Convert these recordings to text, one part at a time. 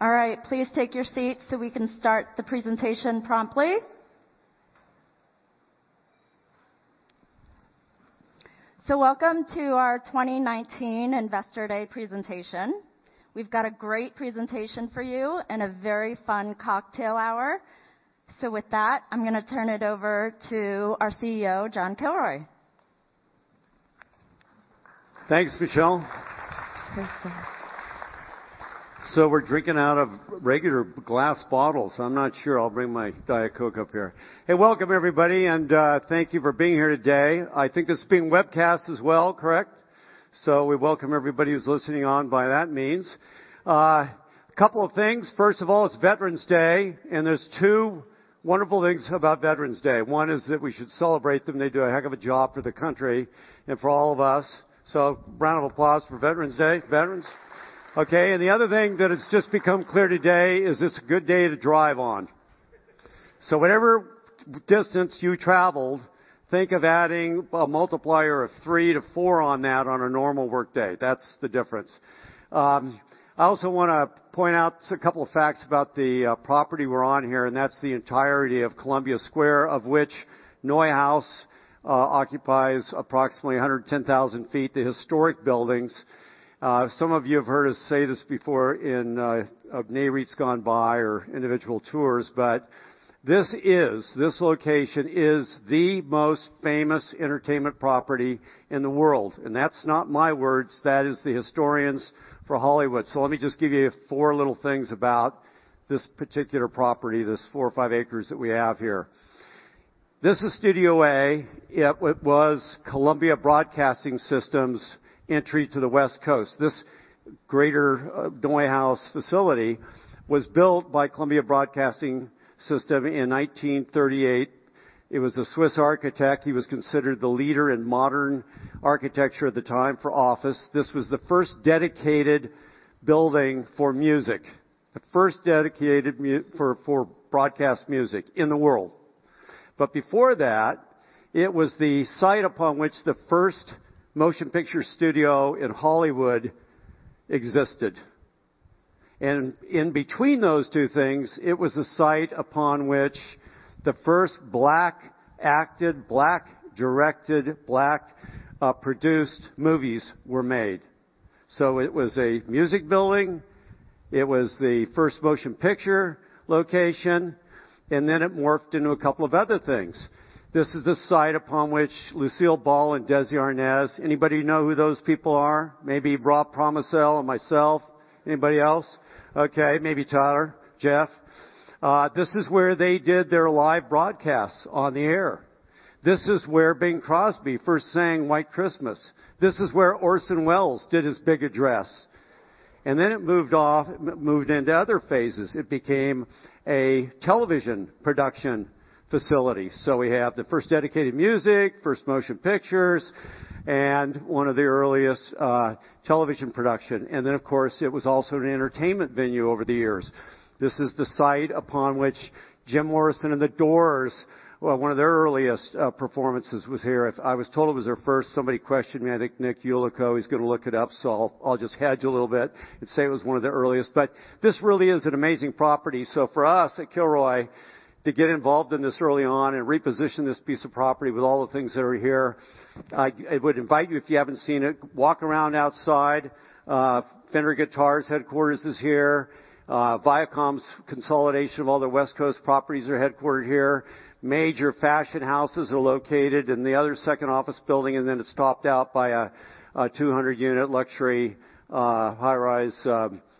All right. Please take your seats so we can start the presentation promptly. Welcome to our 2019 Investor Day presentation. We've got a great presentation for you and a very fun cocktail hour. With that, I'm going to turn it over to our CEO, John Kilroy. Thanks, Michelle. You're welcome. We're drinking out of regular glass bottles. I'm not sure I'll bring my Diet Coke up here. Hey, welcome everybody, and thank you for being here today. I think this is being webcast as well, correct? We welcome everybody who's listening on by that means. A couple of things. First of all, it's Veterans Day, and there's two wonderful things about Veterans Day. One is that we should celebrate them. They do a heck of a job for the country and for all of us. Round of applause for Veterans Day, veterans. Okay, the other thing that has just become clear today is this a good day to drive on. Whatever distance you traveled, think of adding a multiplier of three to four on that on a normal workday. That's the difference. I also want to point out a couple of facts about the property we're on here, and that's the entirety of Columbia Square, of which NeueHouse occupies approximately 110,000 feet, the historic buildings. Some of you have heard us say this before in of Nareit's gone by or individual tours, but this location is the most famous entertainment property in the world. That's not my words, that is the historians for Hollywood. Let me just give you four little things about this particular property, this four or five acres that we have here. This is Studio A. It was Columbia Broadcasting System's entry to the West Coast. This greater NeueHouse facility was built by Columbia Broadcasting System in 1938. It was a Swiss architect. He was considered the leader in modern architecture at the time for office. This was the first dedicated building for music, the first dedicated for broadcast music in the world. Before that, it was the site upon which the first motion picture studio in Hollywood existed. In between those two things, it was the site upon which the first black-acted, black-directed, black-produced movies were made. It was a music building, it was the first motion picture location, and then it morphed into a couple of other things. This is the site upon which Lucille Ball and Desi Arnaz, anybody know who those people are? Maybe Rob Promisel or myself. Anybody else? Okay, maybe Tyler, Jeff. This is where they did their live broadcasts on the air. This is where Bing Crosby first sang White Christmas. This is where Orson Welles did his big address. Then it moved into other phases. It became a television production facility. We have the first dedicated music, first motion pictures, and one of the earliest television production. Then, of course, it was also an entertainment venue over the years. This is the site upon which Jim Morrison and the Doors, well, one of their earliest performances was here. I was told it was their first. Somebody questioned me. I think Nick Yulico, he's going to look it up, I'll just hedge a little bit and say it was one of their earliest. This really is an amazing property. For us at Kilroy to get involved in this early on and reposition this piece of property with all the things that are here. I would invite you, if you haven't seen it, walk around outside. Fender Guitars headquarters is here. Viacom's consolidation of all their West Coast properties are headquartered here. Major fashion houses are located in the other second office building, then it's topped out by a 200-unit luxury high-rise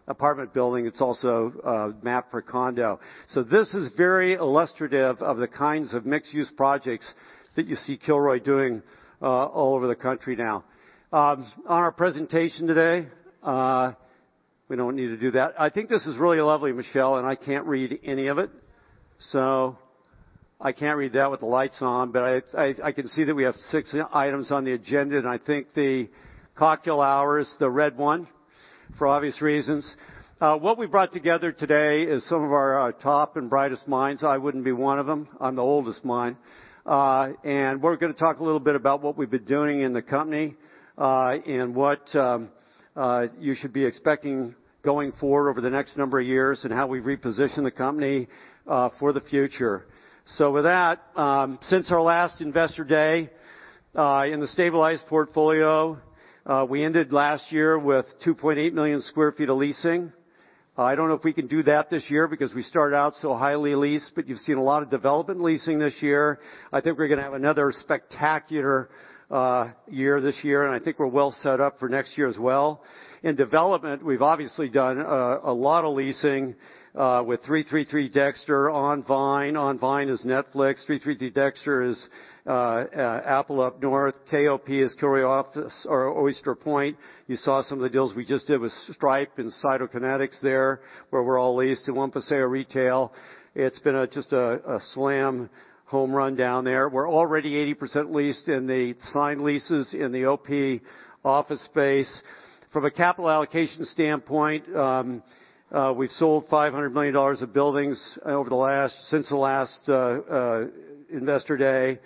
apartment building. It's also mapped for condo. This is very illustrative of the kinds of mixed-use projects that you see Kilroy doing all over the country now. On our presentation today, we don't need to do that. I think this is really lovely, Michelle, I can't read any of it. I can't read that with the lights on. I can see that we have six items on the agenda, I think the cocktail hour is the red one for obvious reasons. What we brought together today is some of our top and brightest minds. I wouldn't be one of them. I'm the oldest mind. We're going to talk a little bit about what we've been doing in the company, and what you should be expecting going forward over the next number of years, and how we reposition the company for the future. With that, since our last Investor Day, in the stabilized portfolio, we ended last year with 2.8 million sq ft of leasing. I don't know if we can do that this year because we started out so highly leased, but you've seen a lot of development leasing this year. I think we're going to have another spectacular year this year, and I think we're well set up for next year as well. In development, we've obviously done a lot of leasing with 333 Dexter On Vine. On Vine is Netflix. 333 Dexter is Apple up north. KOP is Kilroy Oyster Point. You saw some of the deals we just did with Stripe and Cytokinetics there, where we're all leased in One Paseo Retail. It's been just a slam home run down there. We're already 80% leased in the signed leases in the OP office space. From a capital allocation standpoint, we've sold $500 million of buildings since the last Investor Day.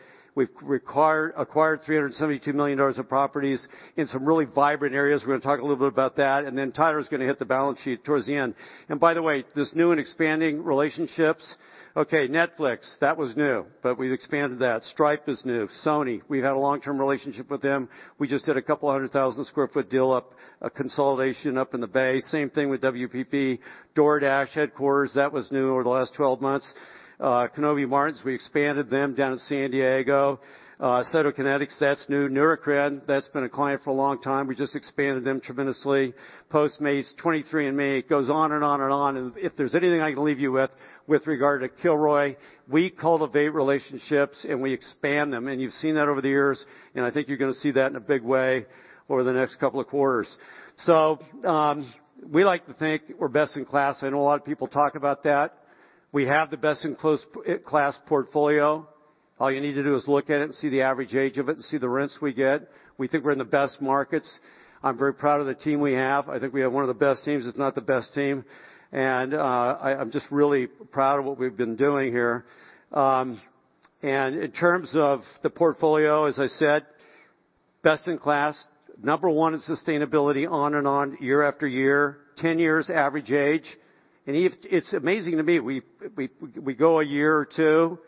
We've acquired $372 million of properties in some really vibrant areas. We're going to talk a little bit about that. Then Tyler's going to hit the balance sheet towards the end. By the way, this new and expanding relationships. Okay, Netflix, that was new, but we've expanded that. Stripe is new. Sony, we've had a long-term relationship with them. We just did a couple of hundred thousand sq ft deal up, a consolidation up in the Bay. Same thing with WPP. DoorDash headquarters, that was new over the last 12 months. Knobbe Martens, we expanded them down in San Diego. Cytokinetics, that's new. Neurocrine, that's been a client for a long time. We just expanded them tremendously. Postmates, 23andMe. It goes on and on. If there's anything I can leave you with regard to Kilroy, we cultivate relationships, and we expand them. You've seen that over the years, and I think you're going to see that in a big way over the next couple of quarters. We like to think we're best in class. I know a lot of people talk about that. We have the best in class portfolio. All you need to do is look at it and see the average age of it and see the rents we get. We think we're in the best markets. I'm very proud of the team we have. I think we have one of the best teams, if not the best team. I'm just really proud of what we've been doing here. In terms of the portfolio, as I said, best in class. Number one in sustainability on and on, year after year. 10 years average age. It's amazing to me. We go a year or two,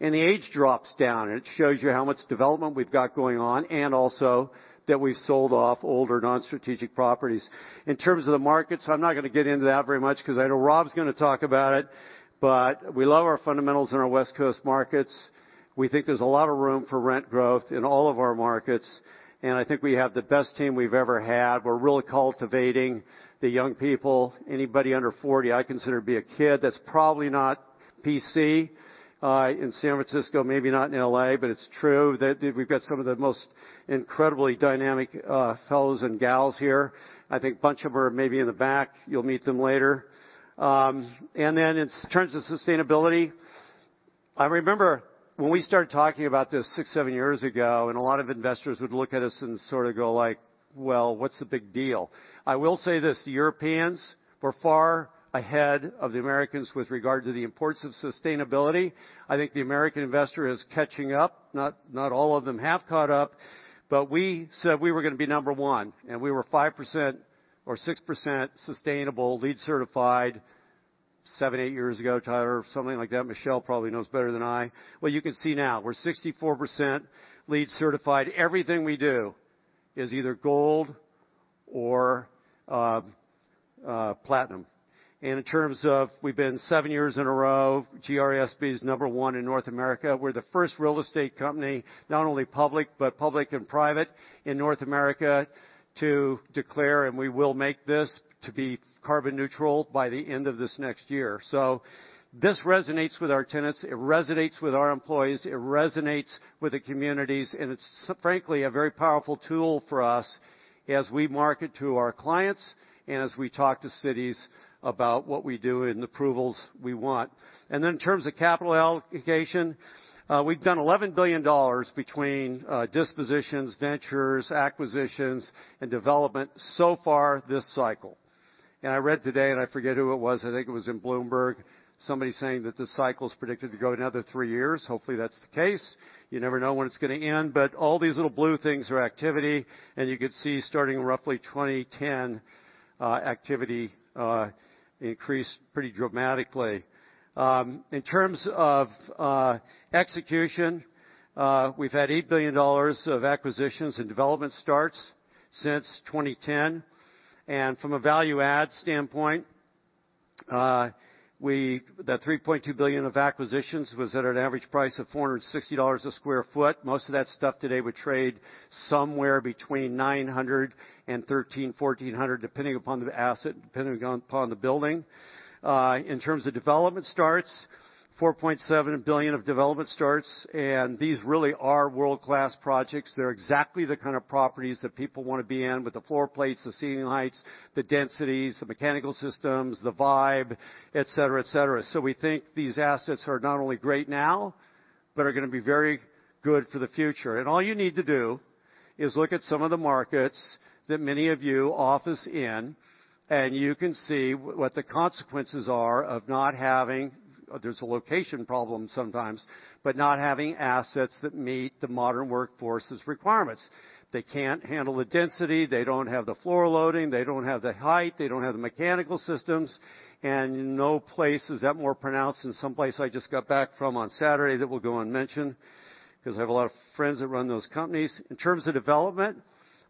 and the age drops down, and it shows you how much development we've got going on, and also that we've sold off older non-strategic properties. In terms of the markets, I'm not going to get into that very much because I know Rob's going to talk about it. We love our fundamentals in our West Coast markets. We think there's a lot of room for rent growth in all of our markets, and I think we have the best team we've ever had. We're really cultivating the young people. Anybody under 40, I consider to be a kid. That's probably not PC in San Francisco, maybe not in L.A., but it's true. We've got some of the most incredibly dynamic fellows and gals here. I think a bunch of them are maybe in the back. You'll meet them later. In terms of sustainability, I remember when we started talking about this six, seven years ago, and a lot of investors would look at us and sort of go like, "Well, what's the big deal?" I will say this. The Europeans were far ahead of the Americans with regard to the importance of sustainability. I think the American investor is catching up. Not all of them have caught up. We said we were going to be number 1, and we were 5% or 6% sustainable, LEED certified 7, 8 years ago, Tyler, something like that. Michelle probably knows better than I. Well, you can see now. We're 64% LEED certified. Everything we do is either gold or platinum. In terms of we've been 7 years in a row, GRESB is number 1 in North America. We're the first real estate company, not only public, but public and private in North America to declare, and we will make this to be carbon neutral by the end of this next year. This resonates with our tenants, it resonates with our employees, it resonates with the communities, and it's frankly a very powerful tool for us as we market to our clients and as we talk to cities about what we do and approvals we want. In terms of capital allocation, we've done $11 billion between dispositions, ventures, acquisitions, and development so far this cycle. I read today, I forget who it was, I think it was in Bloomberg, somebody saying that this cycle's predicted to go another three years. Hopefully, that's the case. You never know when it's going to end. All these little blue things are activity. You could see starting roughly 2010, activity increased pretty dramatically. In terms of execution, we've had $8 billion of acquisitions and development starts since 2010. From a value add standpoint, that $3.2 billion of acquisitions was at an average price of $460 a square foot. Most of that stuff today would trade somewhere between $900 and $1,300, $1,400, depending upon the asset, depending upon the building. In terms of development starts, $4.7 billion of development starts, these really are world-class projects. They're exactly the kind of properties that people want to be in with the floor plates, the ceiling heights, the densities, the mechanical systems, the vibe, et cetera. We think these assets are not only great now but are going to be very good for the future. All you need to do is look at some of the markets that many of you office in, and you can see what the consequences are of not having, there's a location problem sometimes, but not having assets that meet the modern workforce's requirements. They can't handle the density. They don't have the floor loading. They don't have the height. They don't have the mechanical systems. No place is that more pronounced than some place I just got back from on Saturday that we'll go and mention because I have a lot of friends that run those companies. In terms of development,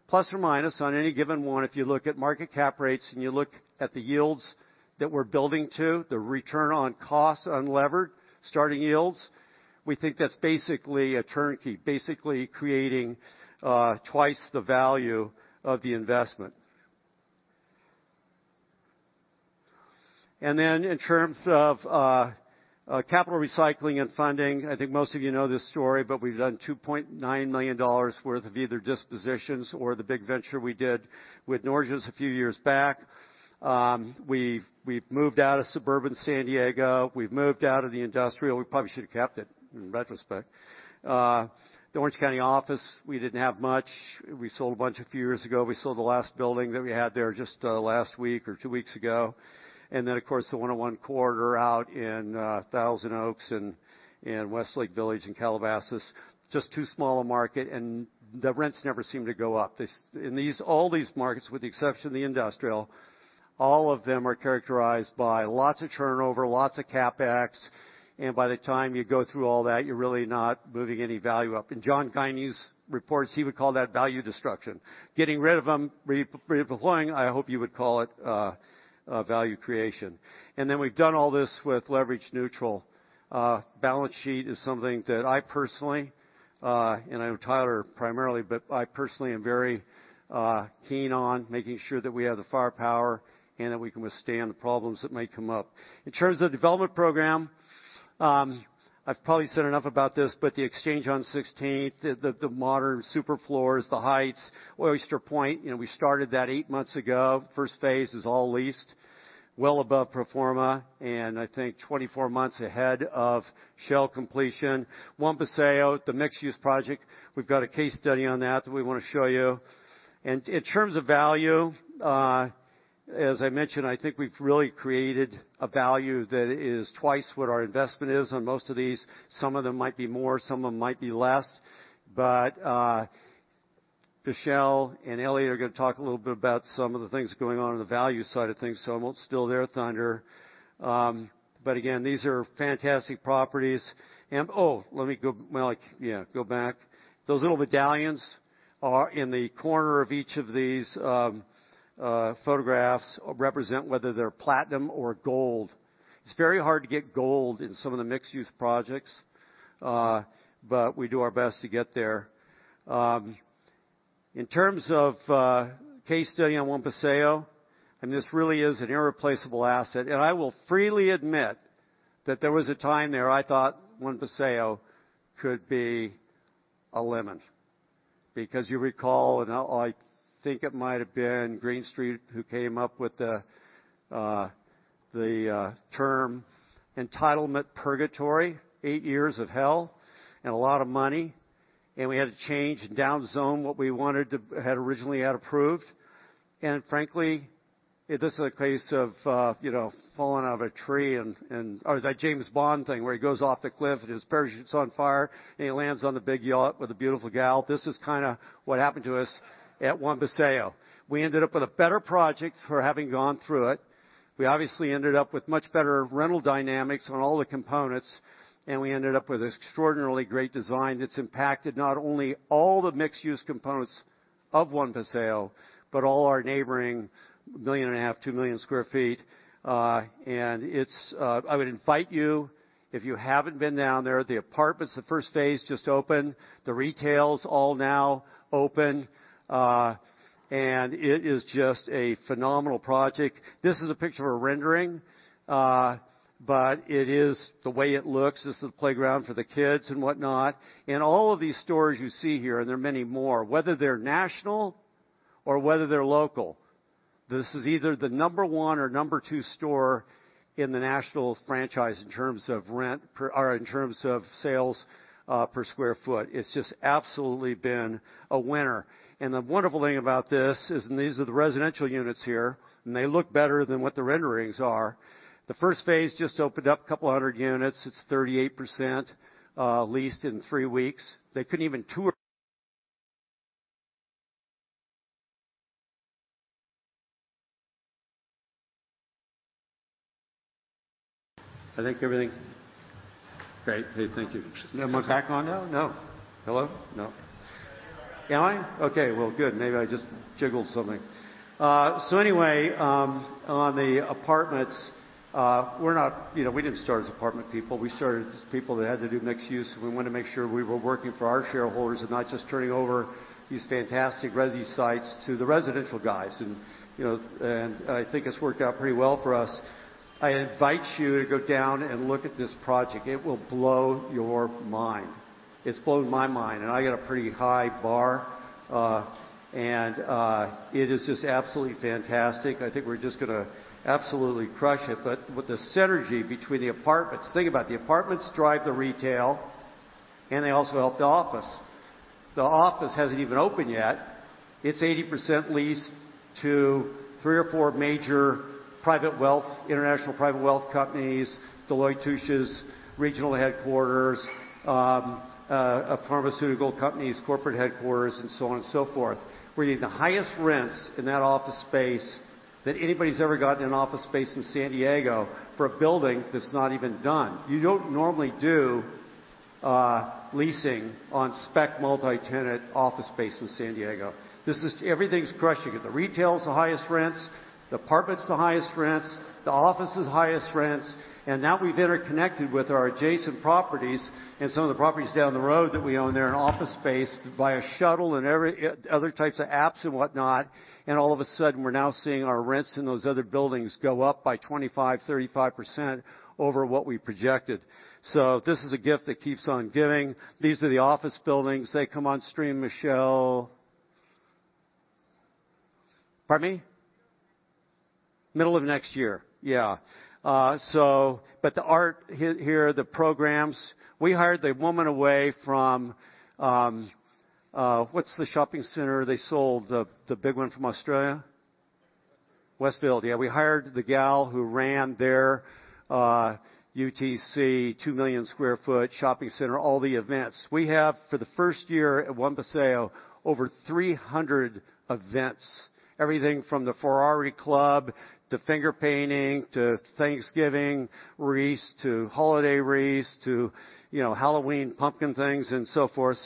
plus or minus on any given one, if you look at market cap rates and you look at the yields that we're building to, the return on costs, unlevered, starting yields, we think that's basically a turnkey, basically creating twice the value of the investment. In terms of capital recycling and funding, I think most of you know this story, but we've done $2.9 million worth of either dispositions or the big venture we did with Norges Bank a few years back. We've moved out of suburban San Diego. We've moved out of the industrial. We probably should've kept it, in retrospect. The Orange County office, we didn't have much. We sold a bunch a few years ago. We sold the last building that we had there just last week or two weeks ago. Of course, the 101 corridor out in Thousand Oaks and Westlake Village and Calabasas, just too small a market, and the rents never seem to go up. In all these markets, with the exception of the industrial, all of them are characterized by lots of turnover, lots of CapEx, and by the time you go through all that, you're really not moving any value up. In John Guinee's reports, he would call that value destruction. Getting rid of them, redeploying, I hope you would call it value creation. We've done all this with leverage neutral. Balance sheet is something that I personally, and I know Tyler primarily, but I personally am very keen on making sure that we have the firepower and that we can withstand the problems that may come up. In terms of development program, I've probably said enough about this, but The Exchange on 16th, the modern super floors, the heights. Oyster Point, we started that eight months ago. First phase is all leased, well above pro forma, and I think 24 months ahead of shell completion. One Paseo, the mixed-use project, we've got a case study on that that we want to show you. In terms of value, as I mentioned, I think we've really created a value that is twice what our investment is on most of these. Some of them might be more, some of them might be less. Michelle and Eliott are going to talk a little bit about some of the things going on in the value side of things, so I won't steal their thunder. Again, these are fantastic properties. Oh, let me go back. Those little medallions in the corner of each of these photographs represent whether they're platinum or gold. It's very hard to get gold in some of the mixed-use projects. We do our best to get there. In terms of a case study on One Paseo, this really is an irreplaceable asset. I will freely admit that there was a time there I thought One Paseo could be a lemon. You recall, I think it might have been Green Street who came up with the term entitlement purgatory, 8 years of hell and a lot of money. We had to change and down zone what we wanted to, had originally had approved. Frankly, this is a case of falling out of a tree or that James Bond thing where he goes off the cliff and his parachute's on fire, and he lands on the big yacht with a beautiful gal. This is kind of what happened to us at One Paseo. We ended up with a better project for having gone through it. We obviously ended up with much better rental dynamics on all the components, and we ended up with extraordinarily great design that's impacted not only all the mixed-use components of One Paseo, but all our neighboring 1.5 million, 2 million square feet. I would invite you, if you haven't been down there, the apartments, the first phase just opened. The retail's all now open. It is just a phenomenal project. This is a picture of a rendering, but it is the way it looks. This is the playground for the kids and whatnot. All of these stores you see here, and there are many more, whether they're national or whether they're local, this is either the number 1 or number 2 store in the national franchise in terms of sales per square foot. It's just absolutely been a winner. The wonderful thing about this is, and these are the residential units here, and they look better than what the renderings are. The first phase just opened up a couple of hundred units. It's 38% leased in three weeks. They couldn't even tour. I think everything's great. Great. Thank you. Am I back on now? No. Hello? No. Yeah. Am I? Okay. Well, good. Maybe I just jiggled something. Anyway, on the apartments, we didn't start as apartment people. We started as people that had to do mixed use, and we wanted to make sure we were working for our shareholders and not just turning over these fantastic resi sites to the residential guys. I think it's worked out pretty well for us. I invite you to go down and look at this project. It will blow your mind. It's blown my mind, and I got a pretty high bar. It is just absolutely fantastic. I think we're just going to absolutely crush it. With the synergy between the apartments. Think about it. The apartments drive the retail, and they also help the office. The office hasn't even opened yet. It's 80% leased to three or four major international private wealth companies, Deloitte & Touche's regional headquarters, a pharmaceutical company's corporate headquarters, and so on and so forth. We're getting the highest rents in that office space that anybody's ever gotten in an office space in San Diego for a building that's not even done. You don't normally do leasing on spec multi-tenant office space in San Diego. Everything's crushing it. The retail is the highest rents, the apartment is the highest rents, the office is the highest rents. Now we've interconnected with our adjacent properties and some of the properties down the road that we own there in office space via shuttle and other types of apps and whatnot. All of a sudden, we're now seeing our rents in those other buildings go up by 25%, 35% over what we projected. This is a gift that keeps on giving. These are the office buildings. They come on stream, Michelle. Pardon me? Middle of next year. Yeah. The art here, the programs. We hired a woman away from, what's the shopping center they sold, the big one from Australia? Westfield. Westfield, yeah. We hired the gal who ran their UTC 2 million sq ft shopping center, all the events. We have, for the first year at One Paseo, over 300 events. Everything from the Ferrari Club, to finger painting, to Thanksgiving wreaths, to holiday wreaths, to Halloween pumpkin things, and so forth.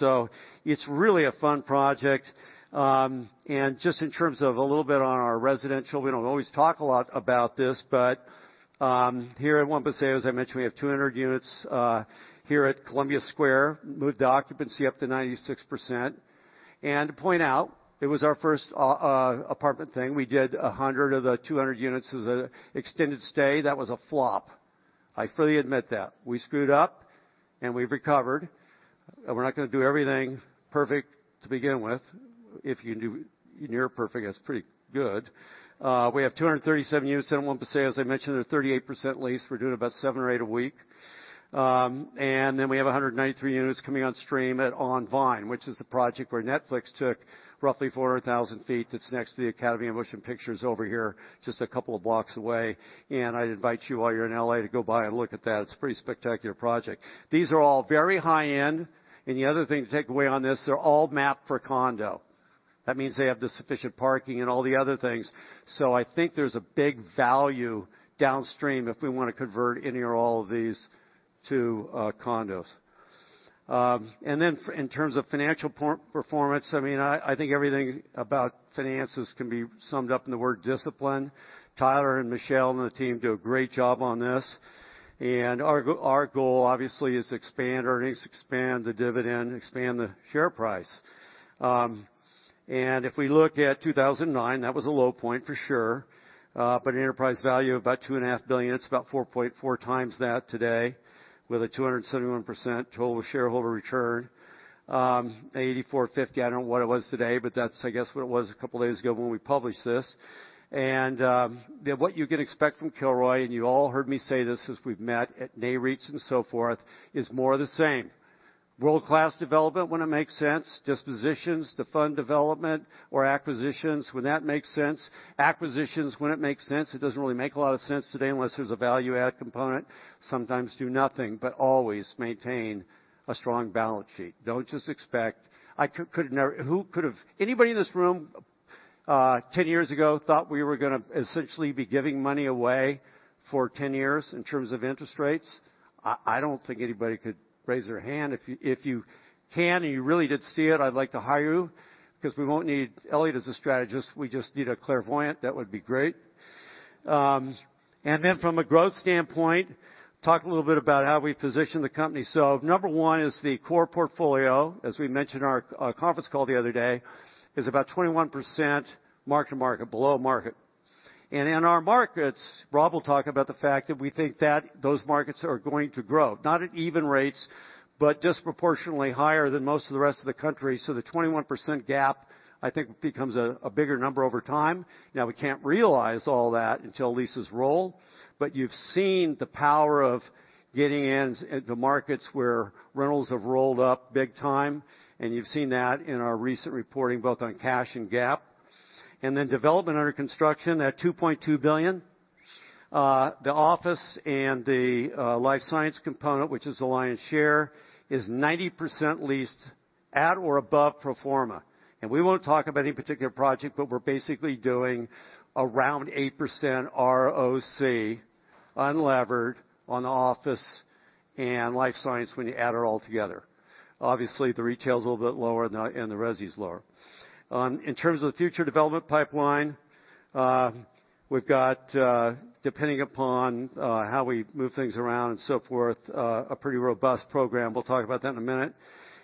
It's really a fun project. Just in terms of a little bit on our residential, we don't always talk a lot about this, but here at One Paseo, as I mentioned, we have 200 units. Here at Columbia Square, moved occupancy up to 96%. To point out, it was our first apartment thing. We did 100 of the 200 units as an extended stay. That was a flop. I fully admit that. We screwed up, and we've recovered. We're not going to do everything perfect to begin with. If you can do near perfect, that's pretty good. We have 237 units in One Paseo. As I mentioned, they're 38% leased. We're doing about seven or eight a week. We have 193 units coming on stream at On Vine, which is the project where Netflix took roughly 400,000 feet that's next to the Academy of Motion Pictures over here, just a couple of blocks away. I'd invite you, while you're in L.A., to go by and look at that. It's a pretty spectacular project. These are all very high-end. The other thing to take away on this, they're all mapped for condo. That means they have the sufficient parking and all the other things. I think there's a big value downstream if we want to convert any or all of these to condos. In terms of financial performance, I think everything about finances can be summed up in the word discipline. Tyler and Michelle and the team do a great job on this. Our goal, obviously, is to expand earnings, expand the dividend, expand the share price. If we look at 2009, that was a low point for sure. An enterprise value of about $2.5 billion, it's about 4.4x that today, with a 271% total shareholder return. $84.50, I don't know what it was today, but that's, I guess, what it was a couple of days ago when we published this. What you can expect from Kilroy, and you all heard me say this as we've met at Nareit and so forth, is more of the same. World-class development when it makes sense, dispositions to fund development or acquisitions when that makes sense. Acquisitions when it makes sense. It doesn't really make a lot of sense today unless there's a value-add component. Sometimes do nothing, always maintain a strong balance sheet. Anybody in this room 10 years ago thought we were going to essentially be giving money away for 10 years in terms of interest rates? I don't think anybody could raise their hand. If you can, and you really did see it, I'd like to hire you because we won't need Eliott as a strategist. We just need a clairvoyant. That would be great. From a growth standpoint, talk a little bit about how we position the company. Number 1 is the core portfolio, as we mentioned in our conference call the other day, is about 21% below market. In our markets, Rob will talk about the fact that we think that those markets are going to grow, not at even rates, but disproportionately higher than most of the rest of the country. The 21% GAAP, I think, becomes a bigger number over time. We can't realize all that until leases roll, but you've seen the power of getting in the markets where rentals have rolled up big time, and you've seen that in our recent reporting, both on cash and GAAP. Development under construction at $2.2 billion. The office and the life science component, which is Alliance share, is 90% leased at or above pro forma. We won't talk about any particular project, but we're basically doing around 8% ROC unlevered on the office and life science when you add it all together. Obviously, the retail's a little bit lower and the resi's lower. In terms of the future development pipeline, we've got, depending upon how we move things around and so forth, a pretty robust program. We'll talk about that in a minute.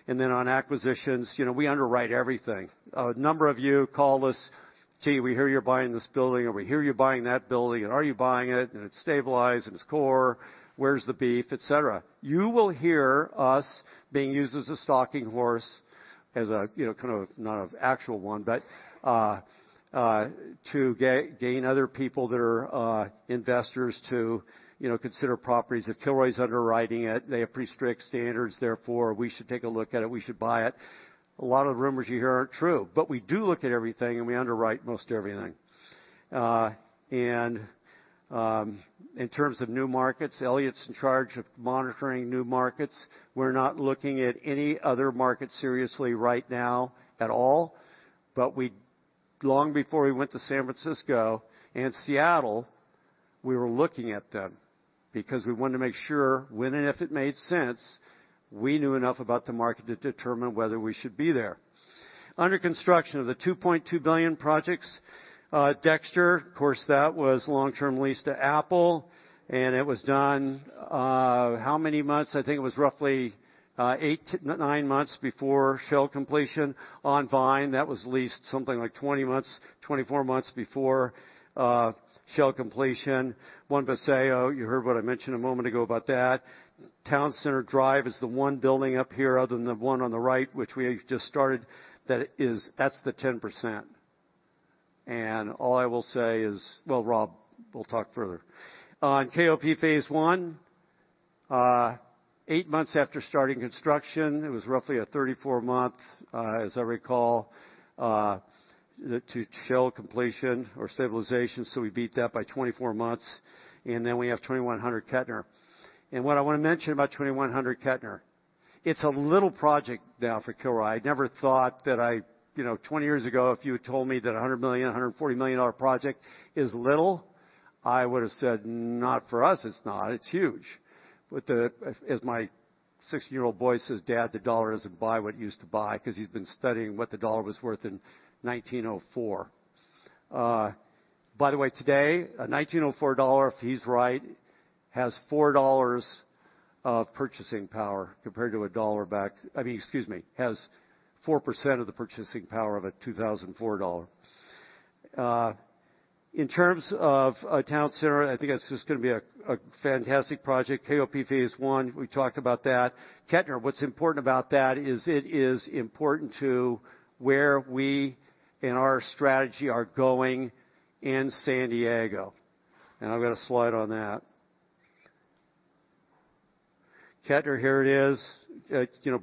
On acquisitions, we underwrite everything. A number of you call us, "Gee, we hear you're buying this building," or, "We hear you're buying that building," "Are you buying it?" "It's stabilized and it's core. Where's the beef?" Et cetera. You will hear us being used as a stalking horse, not an actual one, but to gain other people that are investors to consider properties. If Kilroy's underwriting it, they have pretty strict standards, therefore, we should take a look at it. We should buy it. A lot of the rumors you hear aren't true. We do look at everything, and we underwrite most everything. In terms of new markets, Eliott's in charge of monitoring new markets. We're not looking at any other market seriously right now at all. Long before we went to San Francisco and Seattle, we were looking at them because we wanted to make sure, when and if it made sense, we knew enough about the market to determine whether we should be there. Under construction of the $2.2 billion projects, Dexter, of course, that was long-term lease to Apple, and it was done, how many months? I think it was roughly eight to nine months before shell completion. On Vine, that was leased something like 20 months, 24 months before shell completion. One Paseo, you heard what I mentioned a moment ago about that. Town Center Drive is the one building up here other than the one on the right, which we have just started. That's the 10%. All I will say is, well, Rob will talk further. KOP Phase 1, 8 months after starting construction, it was roughly a 34-month, as I recall, to shell completion or stabilization. We beat that by 24 months. We have 2100 Kettner. What I want to mention about 2100 Kettner, it's a little project now for Kilroy. I never thought that 20 years ago, if you had told me that a $100 million, $140 million project is little, I would have said, "Not for us, it's not. It's huge." As my 16-year-old boy says, "Dad, the dollar doesn't buy what it used to buy," because he's been studying what the dollar was worth in 1904. By the way, today, a 1904 dollar, if he's right, has $4 of purchasing power. Excuse me, has 4% of the purchasing power of a 2004 dollar. In terms of Town Center, I think that's just going to be a fantastic project. KOP phase 1, we talked about that. Kettner, what's important about that is it is important to where we, in our strategy, are going in San Diego. I've got a slide on that. Kettner, here it is.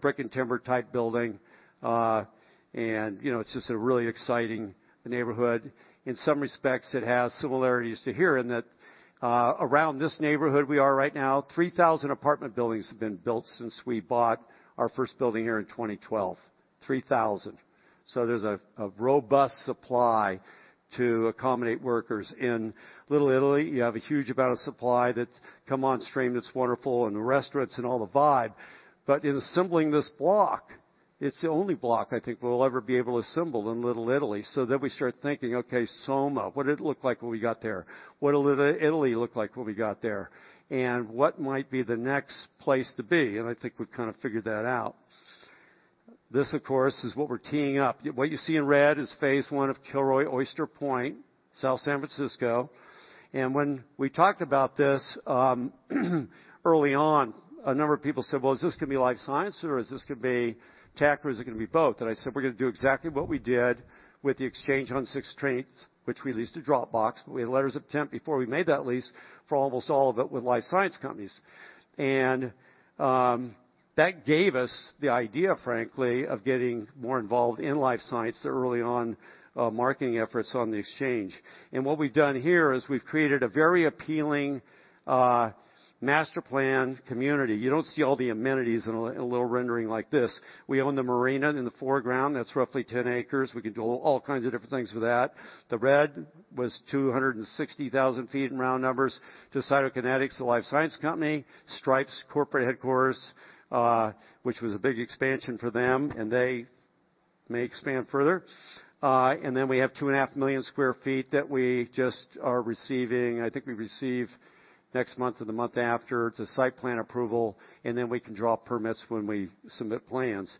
Brick and timber type building. It's just a really exciting neighborhood. In some respects, it has similarities to here in that around this neighborhood we are right now, 3,000 apartment buildings have been built since we bought our first building here in 2012. 3,000. There's a robust supply to accommodate workers. In Little Italy, you have a huge amount of supply that's come on stream that's wonderful, and the restaurants, and all the vibe. In assembling this block, it's the only block I think we'll ever be able to assemble in Little Italy. We start thinking, okay, SoMa, what did it look like when we got there? What did Little Italy look like when we got there? What might be the next place to be? I think we've kind of figured that out. This, of course, is what we're teeing up. What you see in red is phase 1 of Kilroy Oyster Point, South San Francisco. When we talked about this early on, a number of people said, "Well, is this going to be life science, or is this going to be tech, or is it going to be both?" I said, we're going to do exactly what we did with The Exchange on 16th, which we leased to Dropbox, but we had letters of intent before we made that lease for almost all of it with life science companies. That gave us the idea, frankly, of getting more involved in life science, the early on marketing efforts on The Exchange. What we've done here is we've created a very appealing master plan community. You don't see all the amenities in a little rendering like this. We own the marina in the foreground. That's roughly 10 acres. We can do all kinds of different things with that. The red was 260,000 feet in round numbers to Cytokinetics, the life science company. Stripe's corporate headquarters, which was a big expansion for them, and they may expand further. Then we have two and a half million square feet that we just are receiving. I think we receive next month or the month after the site plan approval, and then we can draw permits when we submit plans.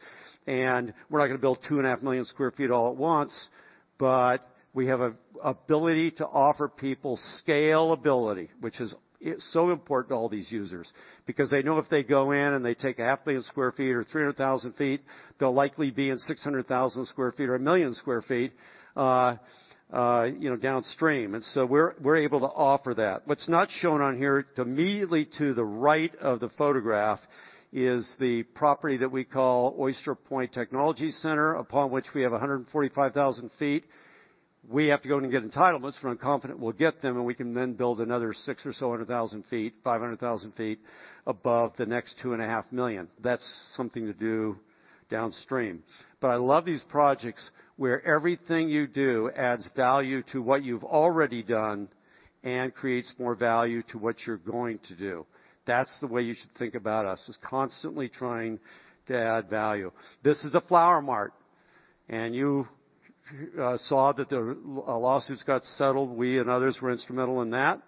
We're not going to build 2.5 million square feet all at once, but we have an ability to offer people scalability, which is so important to all these users, because they know if they go in and they take 1.5 million square feet or 300,000 feet, they'll likely be in 600,000 square feet or 1 million square feet downstream. We're able to offer that. What's not shown on here, immediately to the right of the photograph is the property that we call Oyster Point Technology Center, upon which we have 145,000 feet. We have to go and get entitlements, but I'm confident we'll get them, and we can then build another 600,000 or so feet, 500,000 feet above the next 2.5 million. That's something to do downstream. I love these projects where everything you do adds value to what you've already done and creates more value to what you're going to do. That's the way you should think about us, is constantly trying to add value. This is the Flower Mart. You saw that the lawsuits got settled. We and others were instrumental in that.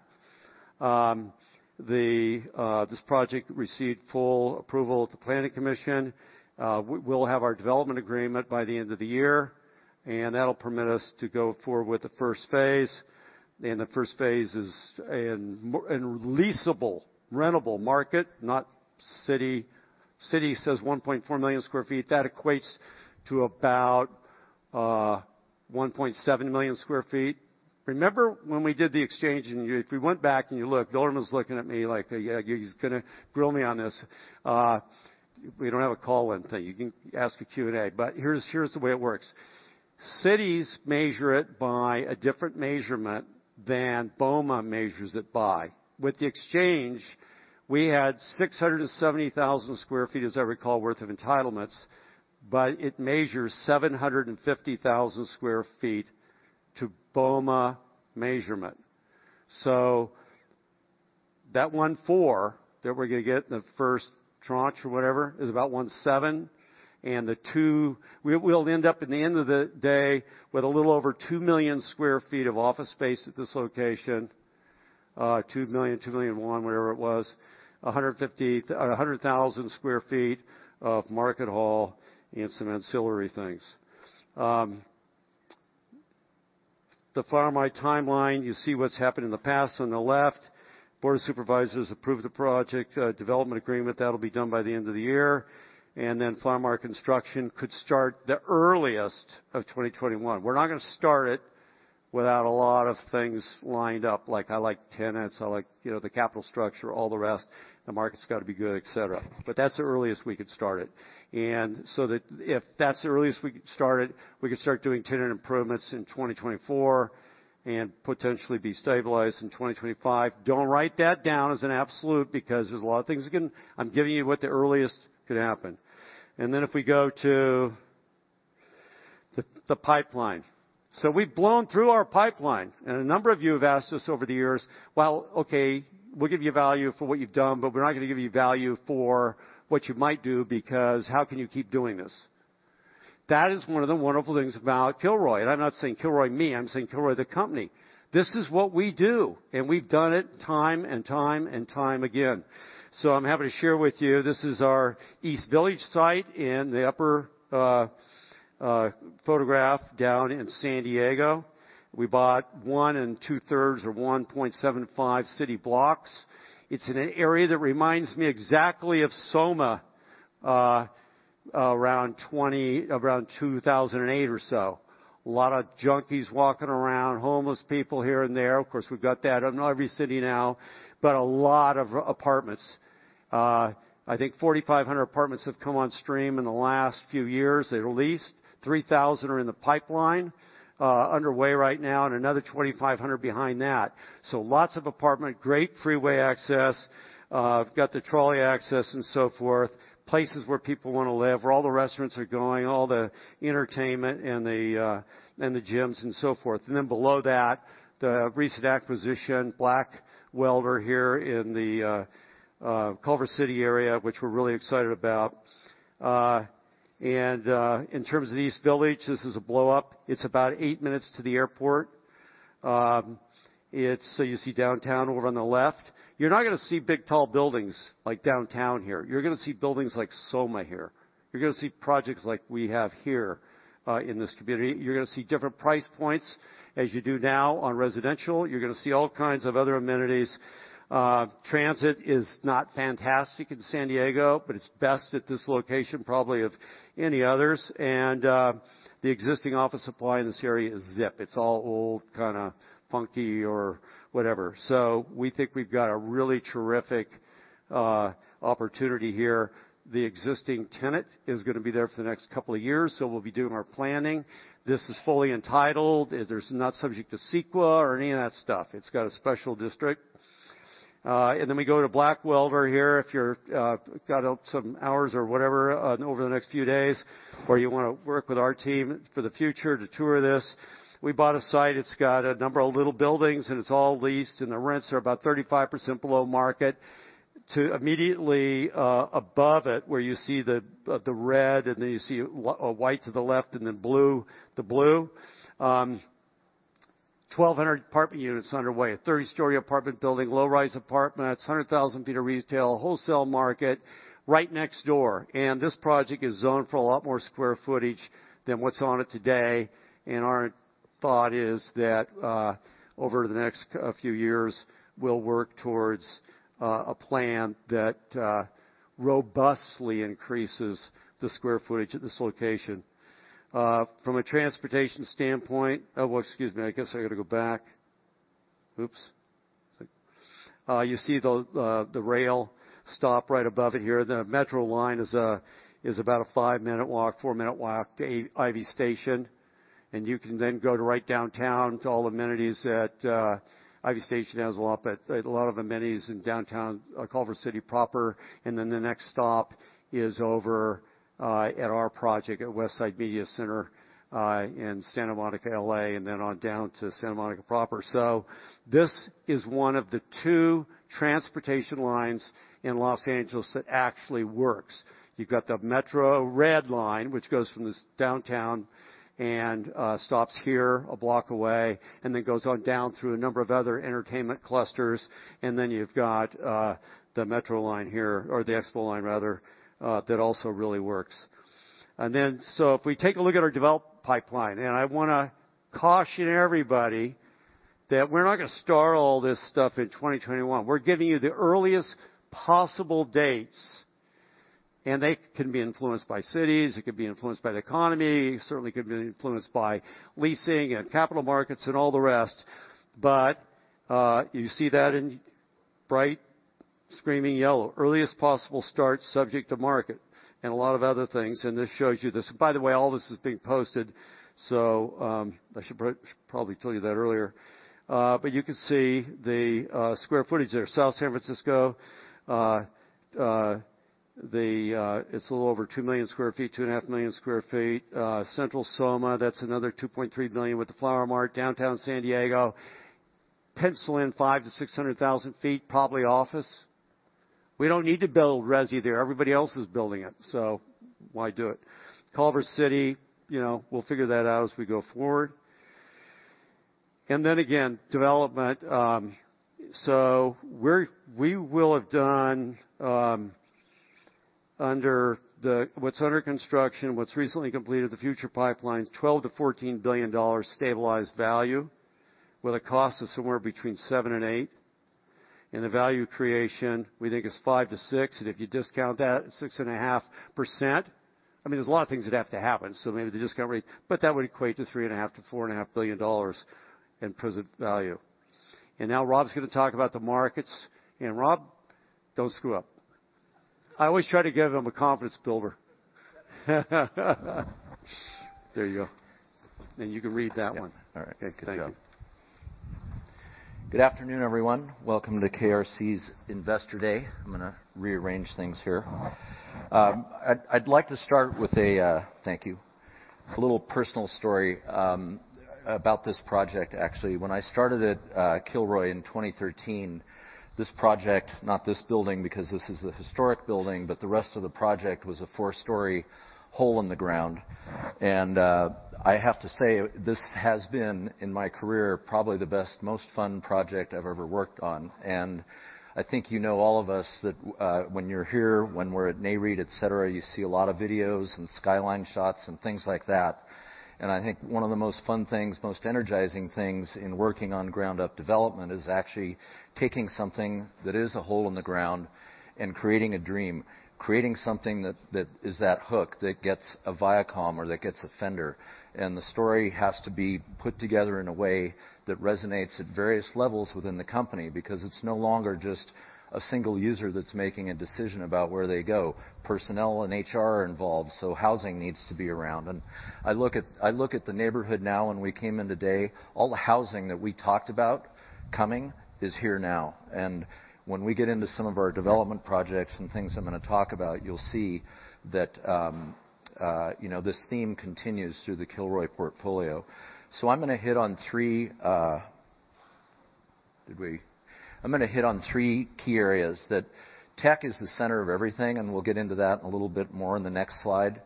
This project received full approval at the planning commission. We'll have our development agreement by the end of the year, and that'll permit us to go forward with the first phase. The first phase is in leasable, rentable market, not city. City says 1.4 million sq ft. That equates to about 1.7 million sq ft. Remember when we did The Exchange, and if we went back and you look, Dorman's looking at me like he's going to grill me on this. We don't have a call-in thing. You can ask a Q&A. Here's the way it works. Cities measure it by a different measurement than BOMA measures it by. With The Exchange, we had 670,000 sq ft, as I recall, worth of entitlements. It measures 750,000 sq ft to BOMA measurement. That 1.4 that we're going to get in the first tranche or whatever is about 1.7, and we'll end up at the end of the day with a little over 2 million sq ft of office space at this location. 2 million, 2.1 million, whatever it was. 100,000 sq ft of market hall and some ancillary things. The Flower Mart timeline, you see what's happened in the past on the left. Board of Supervisors approved the project development agreement. That'll be done by the end of the year. Flower Mart construction could start the earliest of 2021. We're not going to start it without a lot of things lined up, like I like tenants, I like the capital structure, all the rest. The market's got to be good, et cetera. That's the earliest we could start it. If that's the earliest we could start it, we could start doing tenant improvements in 2024 and potentially be stabilized in 2025. Don't write that down as an absolute, because there's a lot of things again. I'm giving you what the earliest could happen. If we go to the pipeline. We've blown through our pipeline, and a number of you have asked us over the years, "Well, okay, we'll give you value for what you've done, but we're not going to give you value for what you might do, because how can you keep doing this?" That is one of the wonderful things about Kilroy. I'm not saying Kilroy me, I'm saying Kilroy the company. This is what we do, and we've done it time and time and time again. I'm happy to share with you, this is our East Village site in the upper photograph down in San Diego. We bought one and two-thirds, or 1.75 city blocks. It's in an area that reminds me exactly of SoMa around 2008 or so. A lot of junkies walking around, homeless people here and there. Of course, we've got that in every city now, but a lot of apartments. I think 4,500 apartments have come on stream in the last few years. At least 3,000 are in the pipeline underway right now, and another 2,500 behind that. Lots of apartment, great freeway access, got the trolley access and so forth, places where people want to live, where all the restaurants are going, all the entertainment and the gyms and so forth. Then below that, the recent acquisition, Blackwelder here in the Culver City area, which we're really excited about. In terms of the East Village, this is a blow-up. It's about eight minutes to the airport. You see downtown over on the left. You're not going to see big, tall buildings like downtown here. You're going to see buildings like SoMa here. You're going to see projects like we have here in this community. You're going to see different price points as you do now on residential. You're going to see all kinds of other amenities. Transit is not fantastic in San Diego, but it's best at this location, probably of any others. The existing office supply in this area is zip. It's all old, kind of funky or whatever. We think we've got a really terrific opportunity here. The existing tenant is going to be there for the next couple of years, so we'll be doing our planning. This is fully entitled. It is not subject to CEQA or any of that stuff. It's got a special district. We go to Blackwelder here, if you're got some hours or whatever over the next few days, or you want to work with our team for the future to tour this. We bought a site. It's got a number of little buildings, and it's all leased, and the rents are about 35% below market. To immediately above it, where you see the red and then you see a white to the left and then blue, 1,200 apartment units underway. A 30-story apartment building, low-rise apartments, 100,000 sq ft of retail, wholesale market right next door. This project is zoned for a lot more square footage than what's on it today. Our thought is that over the next few years, we'll work towards a plan that robustly increases the square footage at this location. From a transportation standpoint-- oh, well, excuse me, I guess I got to go back. Oops. You see the rail stop right above it here. The metro line is about a five-minute walk, four-minute walk to Ivy Station. You can then go to right downtown to all amenities at Ivy Station. It has a lot of amenities in downtown Culver City proper. The next stop is over at our project at Westside Media Center in Santa Monica, L.A., and then on down to Santa Monica proper. This is one of the two transportation lines in Los Angeles that actually works. You've got the Metro Red Line, which goes from this downtown and stops here a block away, and then goes on down through a number of other entertainment clusters. You've got the metro line here, or the Expo Line, rather, that also really works. If we take a look at our development pipeline, I want to caution everybody that we're not going to start all this stuff in 2021. We're giving you the earliest possible dates, they can be influenced by cities, it could be influenced by the economy, certainly could be influenced by leasing and capital markets and all the rest. You see that in bright, screaming yellow, earliest possible start subject to market and a lot of other things. This shows you this. By the way, all this is being posted. I should probably tell you that earlier. You can see the square footage there. South San Francisco. It's a little over 2 million sq ft, 2.5 million sq ft. Central SoMa, that's another 2.3 million with the Flower Mart, Downtown San Diego. Pencil in 5-600,000 sq ft, probably office. We don't need to build resi there. Everybody else is building it, why do it? Culver City, we'll figure that out as we go forward. Then again, development. We will have done, what's under construction, what's recently completed, the future pipelines, $12 billion-$14 billion stabilized value, with a cost of somewhere between $7 billion-$8 billion. The value creation, we think is $5 billion-$6 billion. If you discount that at 6.5%. There's a lot of things that have to happen, so maybe the discount rate. That would equate to $3.5 billion-$4.5 billion in present value. Now Rob's going to talk about the markets. Rob, don't screw up. I always try to give him a confidence builder. There you go. You can read that one. Yeah. All right. Okay, good. Thank you. Good job. Good afternoon, everyone. Welcome to KRC's Investor Day. I'm going to rearrange things here. I'd like to start with a Thank you. A little personal story about this project, actually. When I started at Kilroy in 2013, this project, not this building, because this is a historic building, but the rest of the project was a four-story hole in the ground. I have to say, this has been, in my career, probably the best, most fun project I've ever worked on. I think you know, all of us, that when you're here, when we're at NAREIT, et cetera, you see a lot of videos and skyline shots and things like that. I think one of the most fun things, most energizing things in working on ground-up development is actually taking something that is a hole in the ground and creating a dream. Creating something that is that hook that gets a Viacom or that gets a Fender. The story has to be put together in a way that resonates at various levels within the company, because it's no longer just a single user that's making a decision about where they go. Personnel and HR are involved, housing needs to be around. I look at the neighborhood now, when we came in today, all the housing that we talked about coming is here now. When we get into some of our development projects and things I'm going to talk about, you'll see that this theme continues through the Kilroy portfolio. I'm going to hit on three key areas, that tech is the center of everything, and we'll get into that a little bit more in the next slide.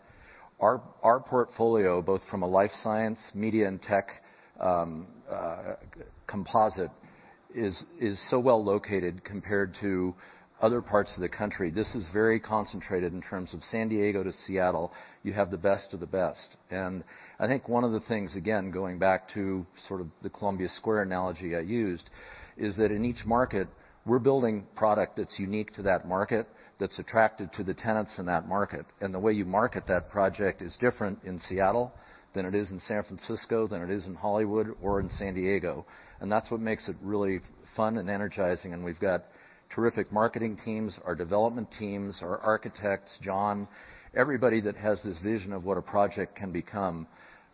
Our portfolio, both from a life science, media, and tech composite, is so well-located compared to other parts of the country. This is very concentrated in terms of San Diego to Seattle. You have the best of the best. I think one of the things, again, going back to sort of the Columbia Square analogy I used, is that in each market, we're building product that's unique to that market, that's attractive to the tenants in that market. The way you market that project is different in Seattle than it is in San Francisco, than it is in Hollywood or in San Diego. That's what makes it really fun and energizing. We've got terrific marketing teams, our development teams, our architects, John. Everybody that has this vision of what a project can become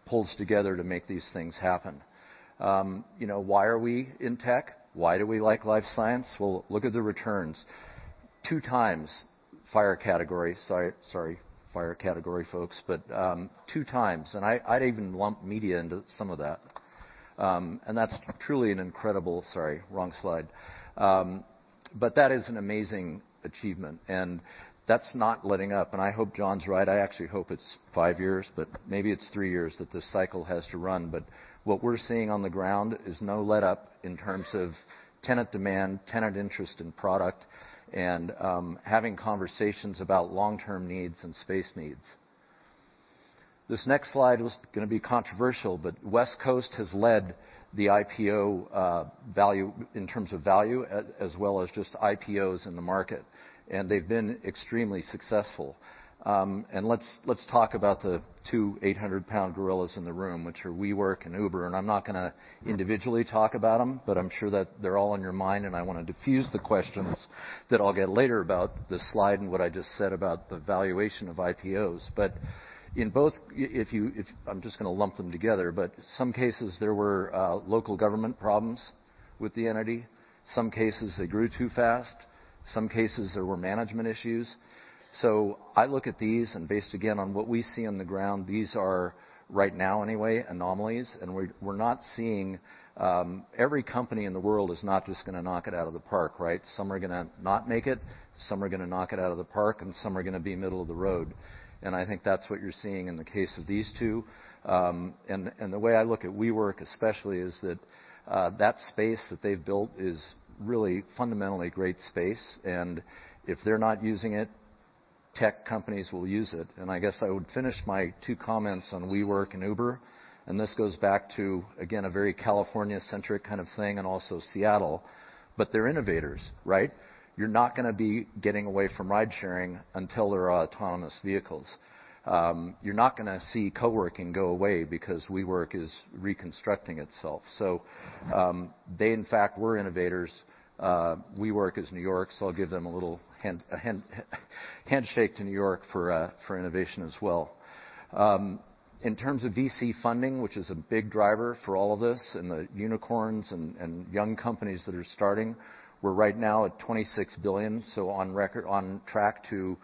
pulls together to make these things happen. Why are we in tech? Why do we like life science? Well, look at the returns. Two times FIRE category. Sorry, FIRE category folks, but two times. I'd even lump media into some of that. That's truly an incredible Sorry, wrong slide. That is an amazing achievement, and that's not letting up. I hope John's right. I actually hope it's five years, but maybe it's three years that this cycle has to run. What we're seeing on the ground is no letup in terms of tenant demand, tenant interest in product, and having conversations about long-term needs and space needs. This next slide is going to be controversial, but West Coast has led the IPO value in terms of value, as well as just IPOs in the market, and they've been extremely successful. Let's talk about the two 800-pound gorillas in the room, which are WeWork and Uber. I'm not going to individually talk about them, but I'm sure that they're all on your mind, and I want to defuse the questions that I'll get later about this slide and what I just said about the valuation of IPOs. In both, I'm just going to lump them together, but some cases, there were local government problems with the entity. Some cases, they grew too fast. Some cases, there were management issues. I look at these, and based again on what we see on the ground, these are, right now anyway, anomalies. We're not seeing Every company in the world is not just going to knock it out of the park, right? Some are going to not make it, some are going to knock it out of the park, and some are going to be middle of the road. I think that's what you're seeing in the case of these two. The way I look at WeWork especially, is that that space that they've built is really fundamentally great space. If they're not using it, tech companies will use it. I guess I would finish my two comments on WeWork and Uber, and this goes back to, again, a very California-centric kind of thing, and also Seattle, but they're innovators, right? You're not going to be getting away from ride sharing until there are autonomous vehicles. You're not going to see co-working go away because WeWork is reconstructing itself. They in fact, we're innovators. WeWork is New York, so I'll give them a little handshake to New York for innovation as well. In terms of VC funding, which is a big driver for all of this, and the unicorns and young companies that are starting, we're right now at $26 billion, so on track to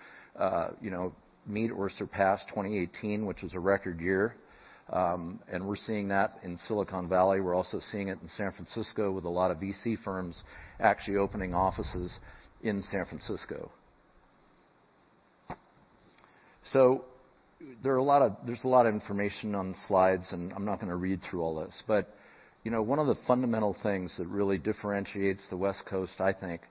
meet or surpass 2018, which was a record year. We're seeing that in Silicon Valley. We're also seeing it in San Francisco with a lot of VC firms actually opening offices in San Francisco. There's a lot of information on the slides, and I'm not going to read through all this. One of the fundamental things that really differentiates the West Coast, I think,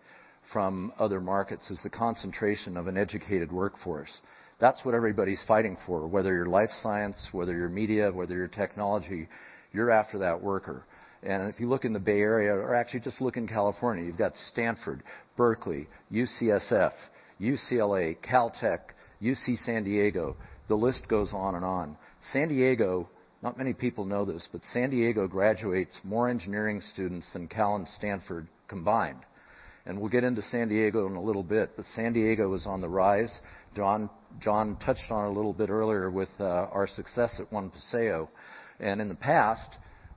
from other markets, is the concentration of an educated workforce. That's what everybody's fighting for. Whether you're life science, whether you're media, whether you're technology, you're after that worker. If you look in the Bay Area, or actually just look in California, you've got Stanford, Berkeley, UCSF, UCLA, Caltech, UC San Diego. The list goes on and on. San Diego, not many people know this, San Diego graduates more engineering students than Cal and Stanford combined. We'll get into San Diego in a little bit, San Diego is on the rise. John touched on it a little bit earlier with our success at One Paseo. In the past,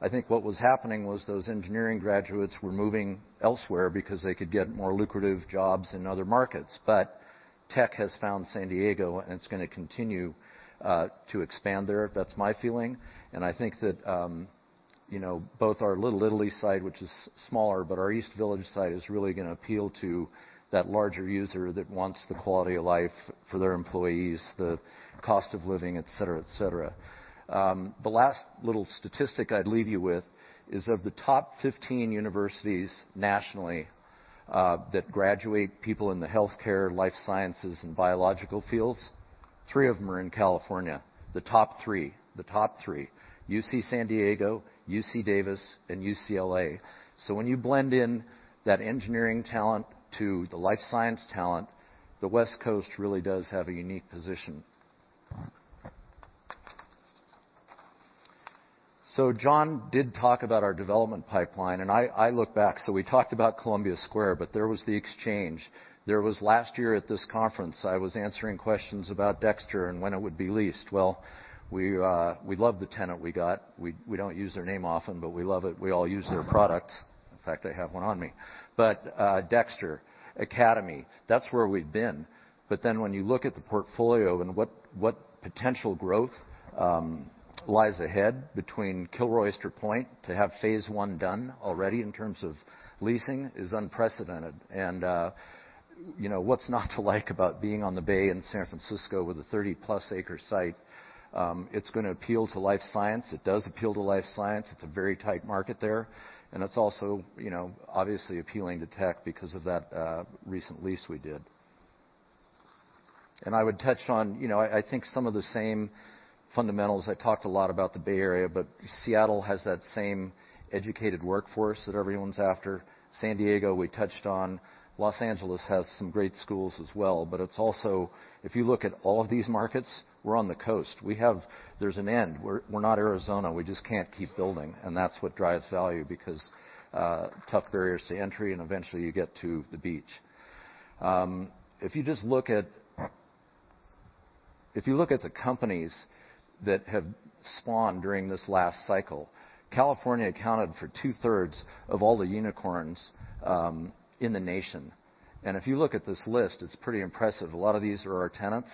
I think what was happening was those engineering graduates were moving elsewhere because they could get more lucrative jobs in other markets. Tech has found San Diego, and it's going to continue to expand there. That's my feeling. I think that both our Little Italy site, which is smaller, but our East Village site is really going to appeal to that larger user that wants the quality of life for their employees, the cost of living, et cetera. The last little statistic I'd leave you with is of the top 15 universities nationally that graduate people in the healthcare, life sciences, and biological fields, three of them are in California. The top three. UC San Diego, UC Davis, and UCLA. When you blend in that engineering talent to the life science talent, the West Coast really does have a unique position. John did talk about our development pipeline, and I look back. We talked about Columbia Square, but there was The Exchange. There was last year at this conference, I was answering questions about Dexter and when it would be leased. Well, we love the tenant we got. We don't use their name often, we love it. We all use their products. In fact, I have one on me. Dexter, Academy, that's where we've been. When you look at the portfolio and what potential growth lies ahead between Kilroy Oyster Point, to have phase 1 done already in terms of leasing is unprecedented. What's not to like about being on the Bay in San Francisco with a 30-plus acre site? It's going to appeal to life science. It does appeal to life science. It's a very tight market there. It's also obviously appealing to tech because of that recent lease we did. I would touch on, I think some of the same fundamentals. I talked a lot about the Bay Area, Seattle has that same educated workforce that everyone's after. San Diego, we touched on. Los Angeles has some great schools as well. It is also, if you look at all of these markets, we are on the coast. There is an end. We are not Arizona. We just cannot keep building, and that is what drives value because tough barriers to entry, and eventually you get to the beach. If you look at the companies that have spawned during this last cycle, California accounted for two-thirds of all the unicorns in the nation. If you look at this list, it is pretty impressive. A lot of these are our tenants,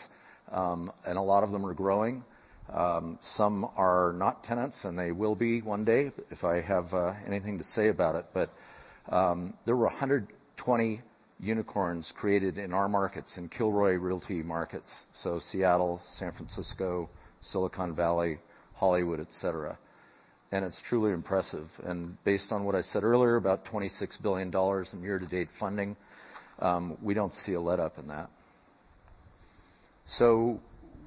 and a lot of them are growing. Some are not tenants, and they will be one day if I have anything to say about it. There were 120 unicorns created in our markets, in Kilroy Realty markets. Seattle, San Francisco, Silicon Valley, Hollywood, et cetera. It is truly impressive. Based on what I said earlier about $26 billion in year-to-date funding, we don't see a letup in that.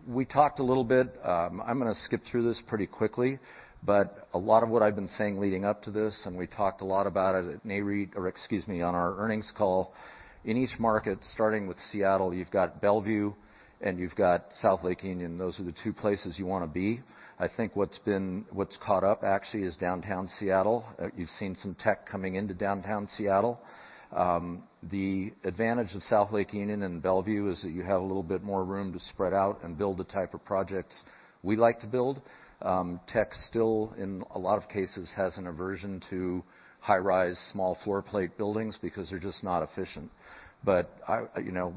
We talked a little bit, I'm going to skip through this pretty quickly, but a lot of what I've been saying leading up to this, and we talked a lot about it at NAREIT, or excuse me, on our earnings call. In each market, starting with Seattle, you've got Bellevue and you've got South Lake Union. Those are the two places you want to be. I think what's caught up actually is downtown Seattle. You've seen some tech coming into downtown Seattle. The advantage of South Lake Union and Bellevue is that you have a little bit more room to spread out and build the type of projects we like to build. Tech still, in a lot of cases, has an aversion to high-rise, small floor plate buildings because they're just not efficient. We're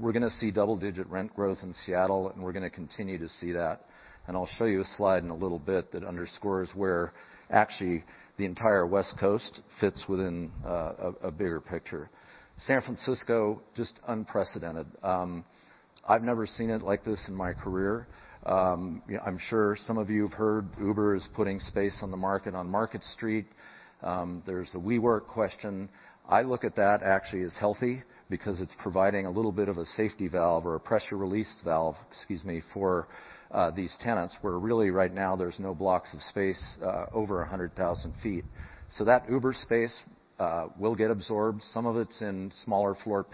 going to see double-digit rent growth in Seattle, and we're going to continue to see that. I'll show you a slide in a little bit that underscores where actually the entire West Coast fits within a bigger picture. San Francisco, just unprecedented. I've never seen it like this in my career. I'm sure some of you have heard Uber is putting space on the market on Market Street. There's the WeWork question. I look at that actually as healthy because it's providing a little bit of a safety valve or a pressure release valve, excuse me, for these tenants, where really right now there's no blocks of space over 100,000 feet. That Uber space will get absorbed. Some of it's in smaller floor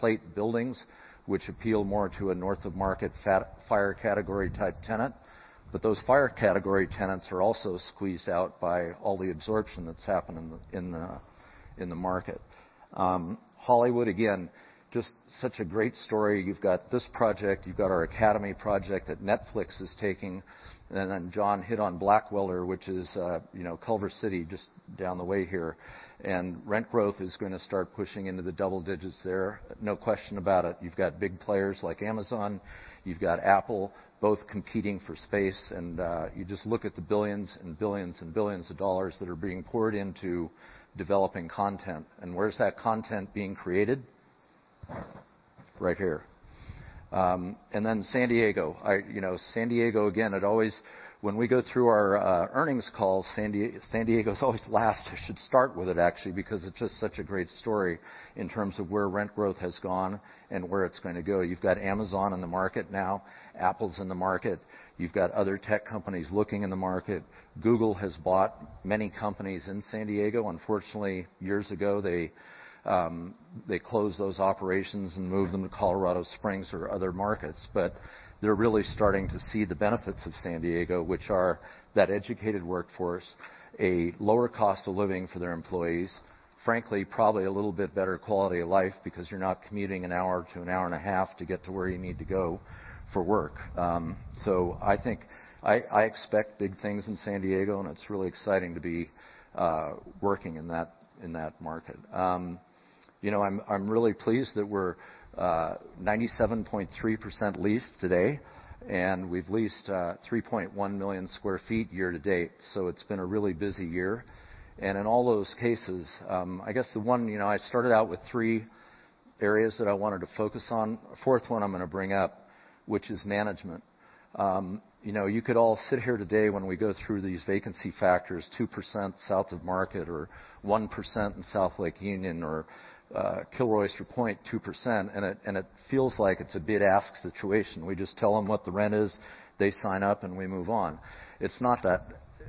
plate buildings, which appeal more to a north-of-market, FIRE-category type tenant. Those FIRE-category tenants are also squeezed out by all the absorption that's happened in the market. Hollywood, again, just such a great story. You've got this project, you've got our Academy project that Netflix is taking. John hit on Blackwelder, which is Culver City, just down the way here. Rent growth is going to start pushing into the double digits there. No question about it. You've got big players like Amazon, you've got Apple, both competing for space. You just look at the billions and billions and billions of dollars that are being poured into developing content. Where's that content being created? Right here. San Diego. San Diego, again, when we go through our earnings calls, San Diego is always last. I should start with it, actually, because it's just such a great story in terms of where rent growth has gone and where it's going to go. You've got Amazon in the market now. Apple's in the market. You've got other tech companies looking in the market. Google has bought many companies in San Diego. Unfortunately, years ago, they closed those operations and moved them to Colorado Springs or other markets. They're really starting to see the benefits of San Diego, which are that educated workforce, a lower cost of living for their employees. Frankly, probably a little bit better quality of life because you're not commuting an hour to an hour and a half to get to where you need to go for work. I expect big things in San Diego, and it's really exciting to be working in that market. I'm really pleased that we're 97.3% leased today, and we've leased 3.1 million square feet year-to-date, so it's been a really busy year. In all those cases, I started out with three areas that I wanted to focus on. A fourth one I'm going to bring up, which is management. You could all sit here today when we go through these vacancy factors, 2% south of market or 1% in South Lake Union or Kilroy Oyster Point, 2%, and it feels like it's a bid-ask situation. We just tell them what the rent is, they sign up, and we move on. It's not that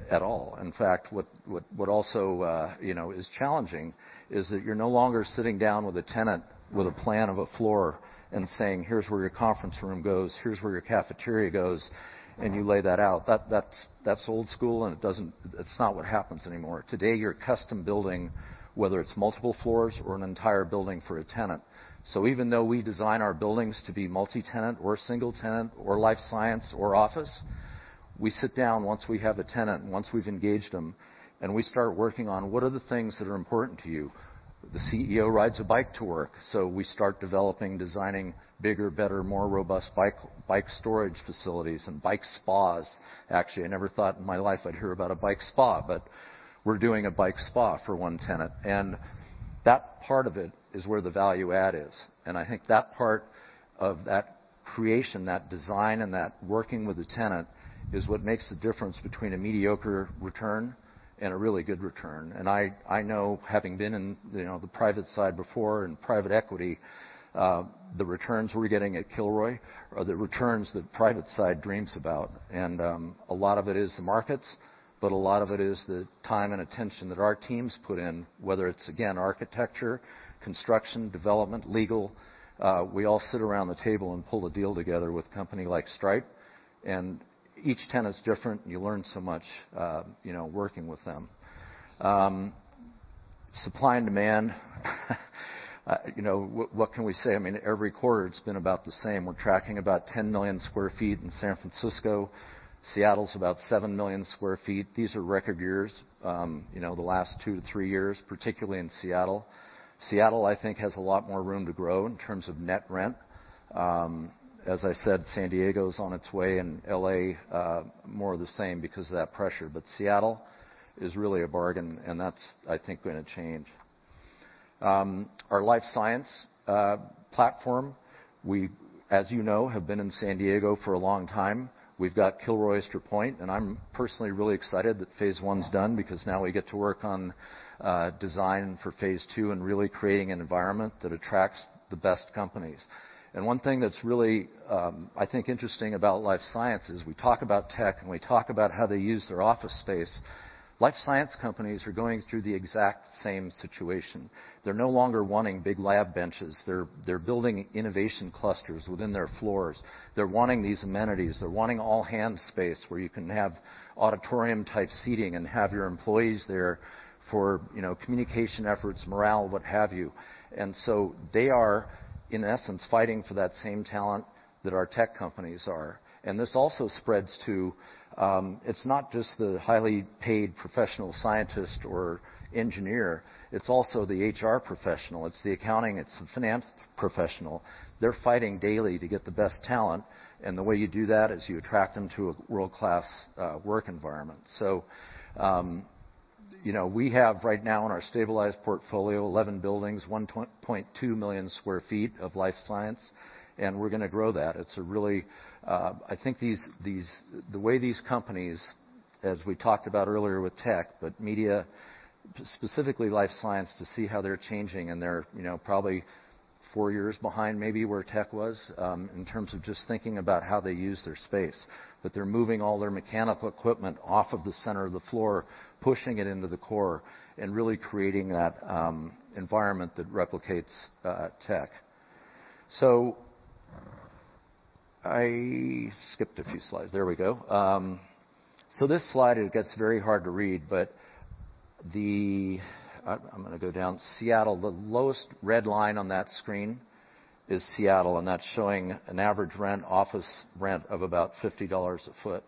at all. In fact, what also is challenging is that you're no longer sitting down with a tenant with a plan of a floor and saying, "Here's where your conference room goes, here's where your cafeteria goes," and you lay that out. That's old school, and it's not what happens anymore. Today, you're custom-building, whether it's multiple floors or an entire building for a tenant. Even though we design our buildings to be multi-tenant or single tenant or life science or office, we sit down once we have a tenant and once we've engaged them, and we start working on, "What are the things that are important to you?" The CEO rides a bike to work, we start developing, designing bigger, better, more robust bike storage facilities and bike spas. Actually, I never thought in my life I'd hear about a bike spa. We're doing a bike spa for one tenant. That part of it is where the value add is. I think that part of that creation, that design, and that working with the tenant is what makes the difference between a mediocre return and a really good return. I know, having been in the private side before, in private equity, the returns we're getting at Kilroy are the returns the private side dreams about. A lot of it is the markets, but a lot of it is the time and attention that our teams put in, whether it's, again, architecture, construction, development, legal. We all sit around the table and pull a deal together with a company like Stripe. Each tenant is different, and you learn so much working with them. Supply and demand. What can we say? Every quarter, it's been about the same. We're tracking about 10 million sq ft in San Francisco. Seattle's about 7 million sq ft. These are record years, the last two to three years, particularly in Seattle. Seattle, I think, has a lot more room to grow in terms of net rent. As I said, San Diego's on its way, L.A., more of the same because of that pressure. Seattle is really a bargain, and that's, I think, going to change. Our life science platform. We, as you know, have been in San Diego for a long time. We've got Kilroy Oyster Point, I'm personally really excited that phase 1's done because now we get to work on design for phase 2 and really creating an environment that attracts the best companies. One thing that's really, I think, interesting about life science is we talk about tech, and we talk about how they use their office space. Life science companies are going through the exact same situation. They're no longer wanting big lab benches. They're building innovation clusters within their floors. They're wanting these amenities. They're wanting all-hands space, where you can have auditorium-type seating and have your employees there for communication efforts, morale, what have you. They are, in essence, fighting for that same talent that our tech companies are. This also spreads to. It's not just the highly paid professional scientist or engineer, it's also the HR professional. It's the accounting, it's the finance professional. They're fighting daily to get the best talent, and the way you do that is you attract them to a world-class work environment. We have, right now in our stabilized portfolio, 11 buildings, 1.2 million square feet of life science, and we're going to grow that. I think the way these companies, as we talked about earlier with tech, but media, specifically life science, to see how they're changing, and they're probably four years behind maybe where tech was in terms of just thinking about how they use their space. They're moving all their mechanical equipment off of the center of the floor, pushing it into the core, and really creating that environment that replicates tech. I skipped a few slides. There we go. This slide, it gets very hard to read. I'm going to go down. Seattle, the lowest red line on that screen is Seattle, and that's showing an average office rent of about $50 a foot.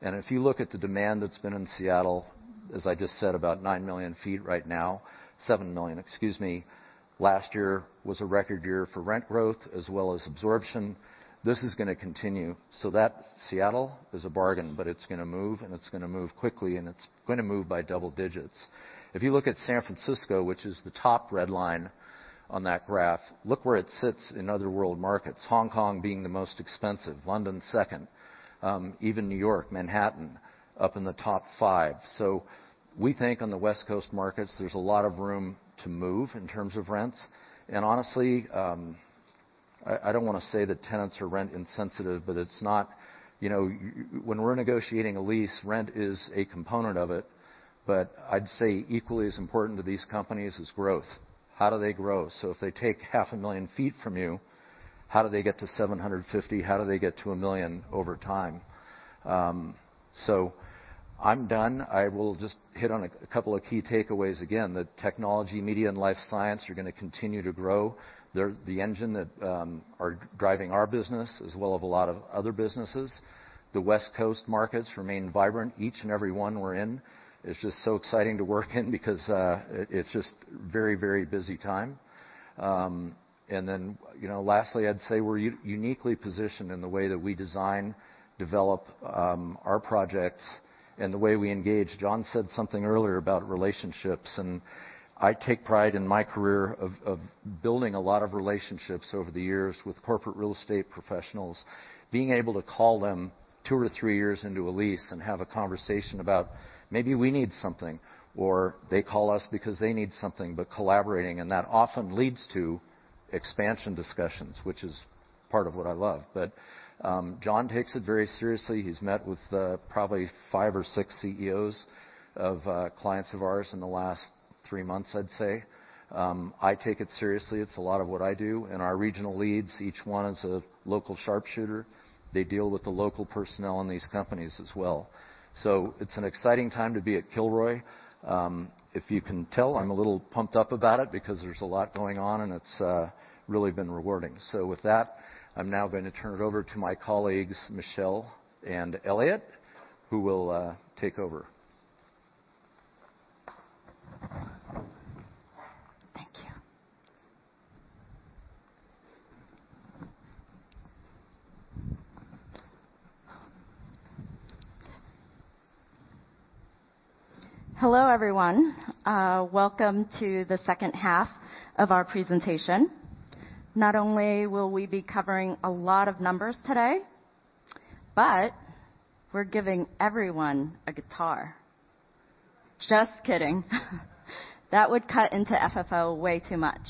If you look at the demand that's been in Seattle. As I just said, about nine million feet right now. Seven million, excuse me. Last year was a record year for rent growth as well as absorption. This is going to continue, so that Seattle is a bargain, but it's going to move, and it's going to move quickly, and it's going to move by double digits. If you look at San Francisco, which is the top red line on that graph, look where it sits in other world markets, Hong Kong being the most expensive, London second, even New York, Manhattan, up in the top five. We think on the West Coast markets, there's a lot of room to move in terms of rents. Honestly, I don't want to say that tenants are rent insensitive. When we're negotiating a lease, rent is a component of it, but I'd say equally as important to these companies is growth. How do they grow? If they take half a million feet from you, how do they get to 750? How do they get to a million over time? I'm done. I will just hit on a couple of key takeaways. The technology, media, and life science are going to continue to grow. They're the engine that are driving our business as well of a lot of other businesses. The West Coast markets remain vibrant, each and every one we're in. It's just so exciting to work in because it's just very busy time. Lastly, I'd say we're uniquely positioned in the way that we design, develop our projects, and the way we engage. John said something earlier about relationships, and I take pride in my career of building a lot of relationships over the years with corporate real estate professionals, being able to call them two to three years into a lease and have a conversation about maybe we need something, or they call us because they need something, but collaborating. That often leads to expansion discussions, which is part of what I love. John takes it very seriously. He's met with probably five or six CEOs of clients of ours in the last three months, I'd say. I take it seriously. It's a lot of what I do. Our regional leads, each one is a local sharpshooter. They deal with the local personnel in these companies as well. It's an exciting time to be at Kilroy. If you can tell, I'm a little pumped up about it because there's a lot going on, and it's really been rewarding. With that, I'm now going to turn it over to my colleagues, Michelle and Elliot, who will take over. Thank you. Hello, everyone. Welcome to the second half of our presentation. Not only will we be covering a lot of numbers today, but we're giving everyone a guitar. Just kidding. That would cut into FFO way too much.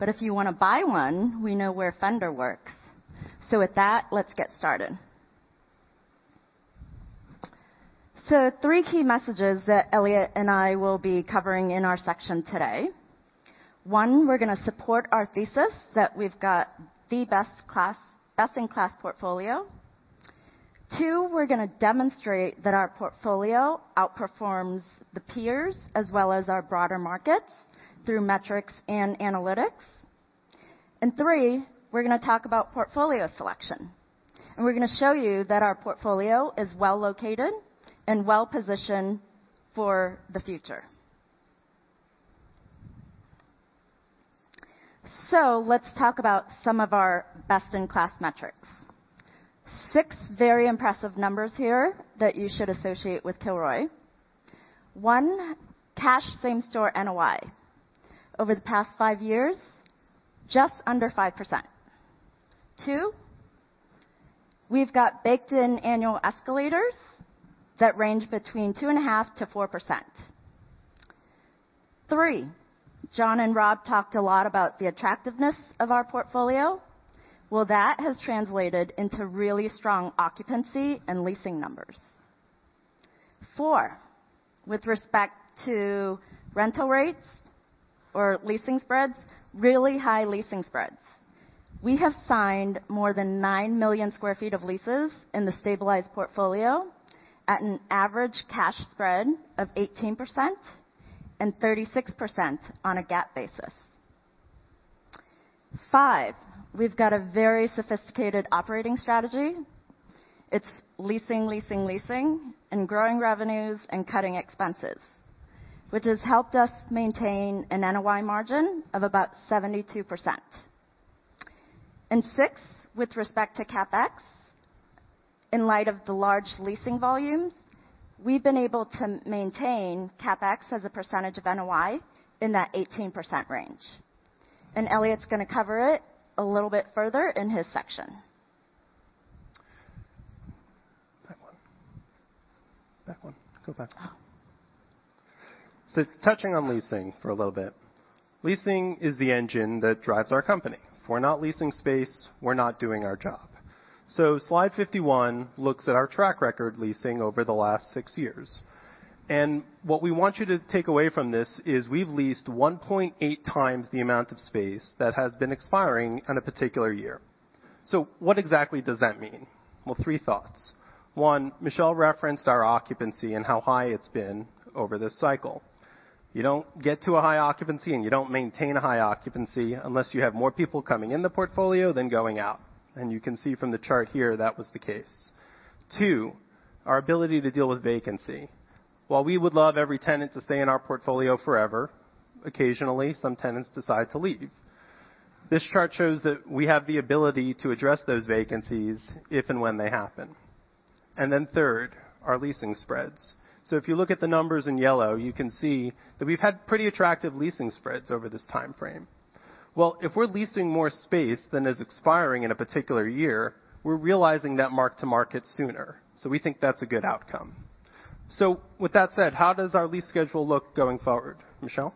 If you want to buy one, we know where Fender works. With that, let's get started. Three key messages that Eliott and I will be covering in our section today. One, we're going to support our thesis that we've got the best in class portfolio. Two, we're going to demonstrate that our portfolio outperforms the peers as well as our broader markets through metrics and analytics. Three, we're going to talk about portfolio selection, and we're going to show you that our portfolio is well-located and well-positioned for the future. Let's talk about some of our best-in-class metrics. Six very impressive numbers here that you should associate with Kilroy. One, cash same store NOI. Over the past five years, just under 5%. Two, we've got baked in annual escalators that range between 2.5%-4%. Three, John and Rob talked a lot about the attractiveness of our portfolio. Well, that has translated into really strong occupancy and leasing numbers. Four, with respect to rental rates or leasing spreads, really high leasing spreads. We have signed more than 9 million sq ft of leases in the stabilized portfolio at an average cash spread of 18% and 36% on a GAAP basis. Five, we've got a very sophisticated operating strategy. It's leasing, leasing, and growing revenues and cutting expenses, which has helped us maintain an NOI margin of about 72%. Six, with respect to CapEx, in light of the large leasing volumes, we've been able to maintain CapEx as a percentage of NOI in that 18% range. Eliott's going to cover it a little bit further in his section. Back one. Back one. Go back. Oh. Touching on leasing for a little bit. Leasing is the engine that drives our company. If we're not leasing space, we're not doing our job. Slide 51 looks at our track record leasing over the last six years. What we want you to take away from this is we've leased 1.8 times the amount of space that has been expiring in a particular year. What exactly does that mean? Well, three thoughts. One, Michelle referenced our occupancy and how high it's been over this cycle. You don't get to a high occupancy, and you don't maintain a high occupancy unless you have more people coming in the portfolio than going out. You can see from the chart here, that was the case. Two, our ability to deal with vacancy. While we would love every tenant to stay in our portfolio forever, occasionally, some tenants decide to leave. This chart shows that we have the ability to address those vacancies if and when they happen. Third, our leasing spreads. If you look at the numbers in yellow, you can see that we've had pretty attractive leasing spreads over this timeframe. Well, if we're leasing more space than is expiring in a particular year, we're realizing that mark to market sooner. We think that's a good outcome. With that said, how does our lease schedule look going forward, Michelle?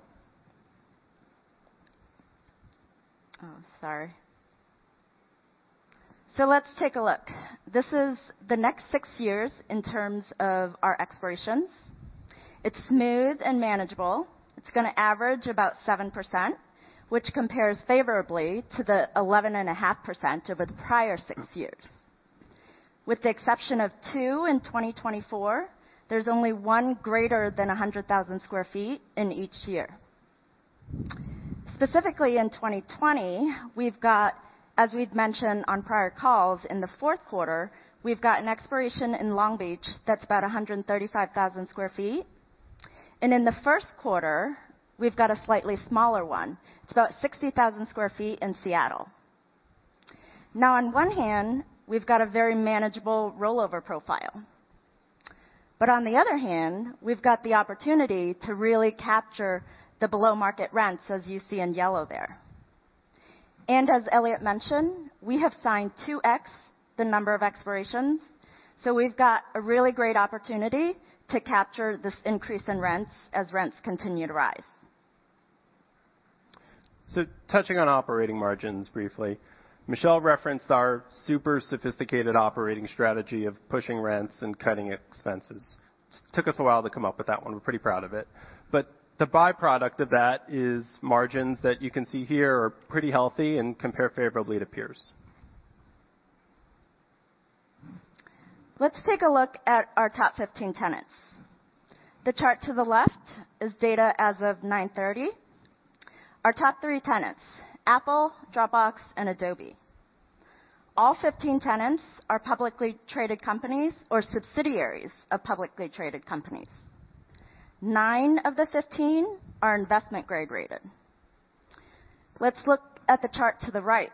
Let's take a look. This is the next six years in terms of our expirations. It's smooth and manageable. It's going to average about 7%, which compares favorably to the 11.5% over the prior six years. With the exception of two in 2024, there's only one greater than 100,000 sq ft in each year. Specifically in 2020, as we've mentioned on prior calls, in the fourth quarter, we've got an expiration in Long Beach that's about 135,000 sq ft. In the first quarter, we've got a slightly smaller one. It's about 60,000 sq ft in Seattle. On one hand, we've got a very manageable rollover profile. On the other hand, we've got the opportunity to really capture the below-market rents, as you see in yellow there. As Eliott mentioned, we have signed 2x the number of expirations. We've got a really great opportunity to capture this increase in rents as rents continue to rise. Touching on operating margins briefly. Michelle referenced our super sophisticated operating strategy of pushing rents and cutting expenses. It took us a while to come up with that one. We're pretty proud of it. The byproduct of that is margins that you can see here are pretty healthy and compare favorably to peers. Let's take a look at our top 15 tenants. The chart to the left is data as of nine thirty. Our top three tenants, Apple, Dropbox, and Adobe. All 15 tenants are publicly traded companies or subsidiaries of publicly traded companies. Nine of the 15 are investment grade rated. Let's look at the chart to the right,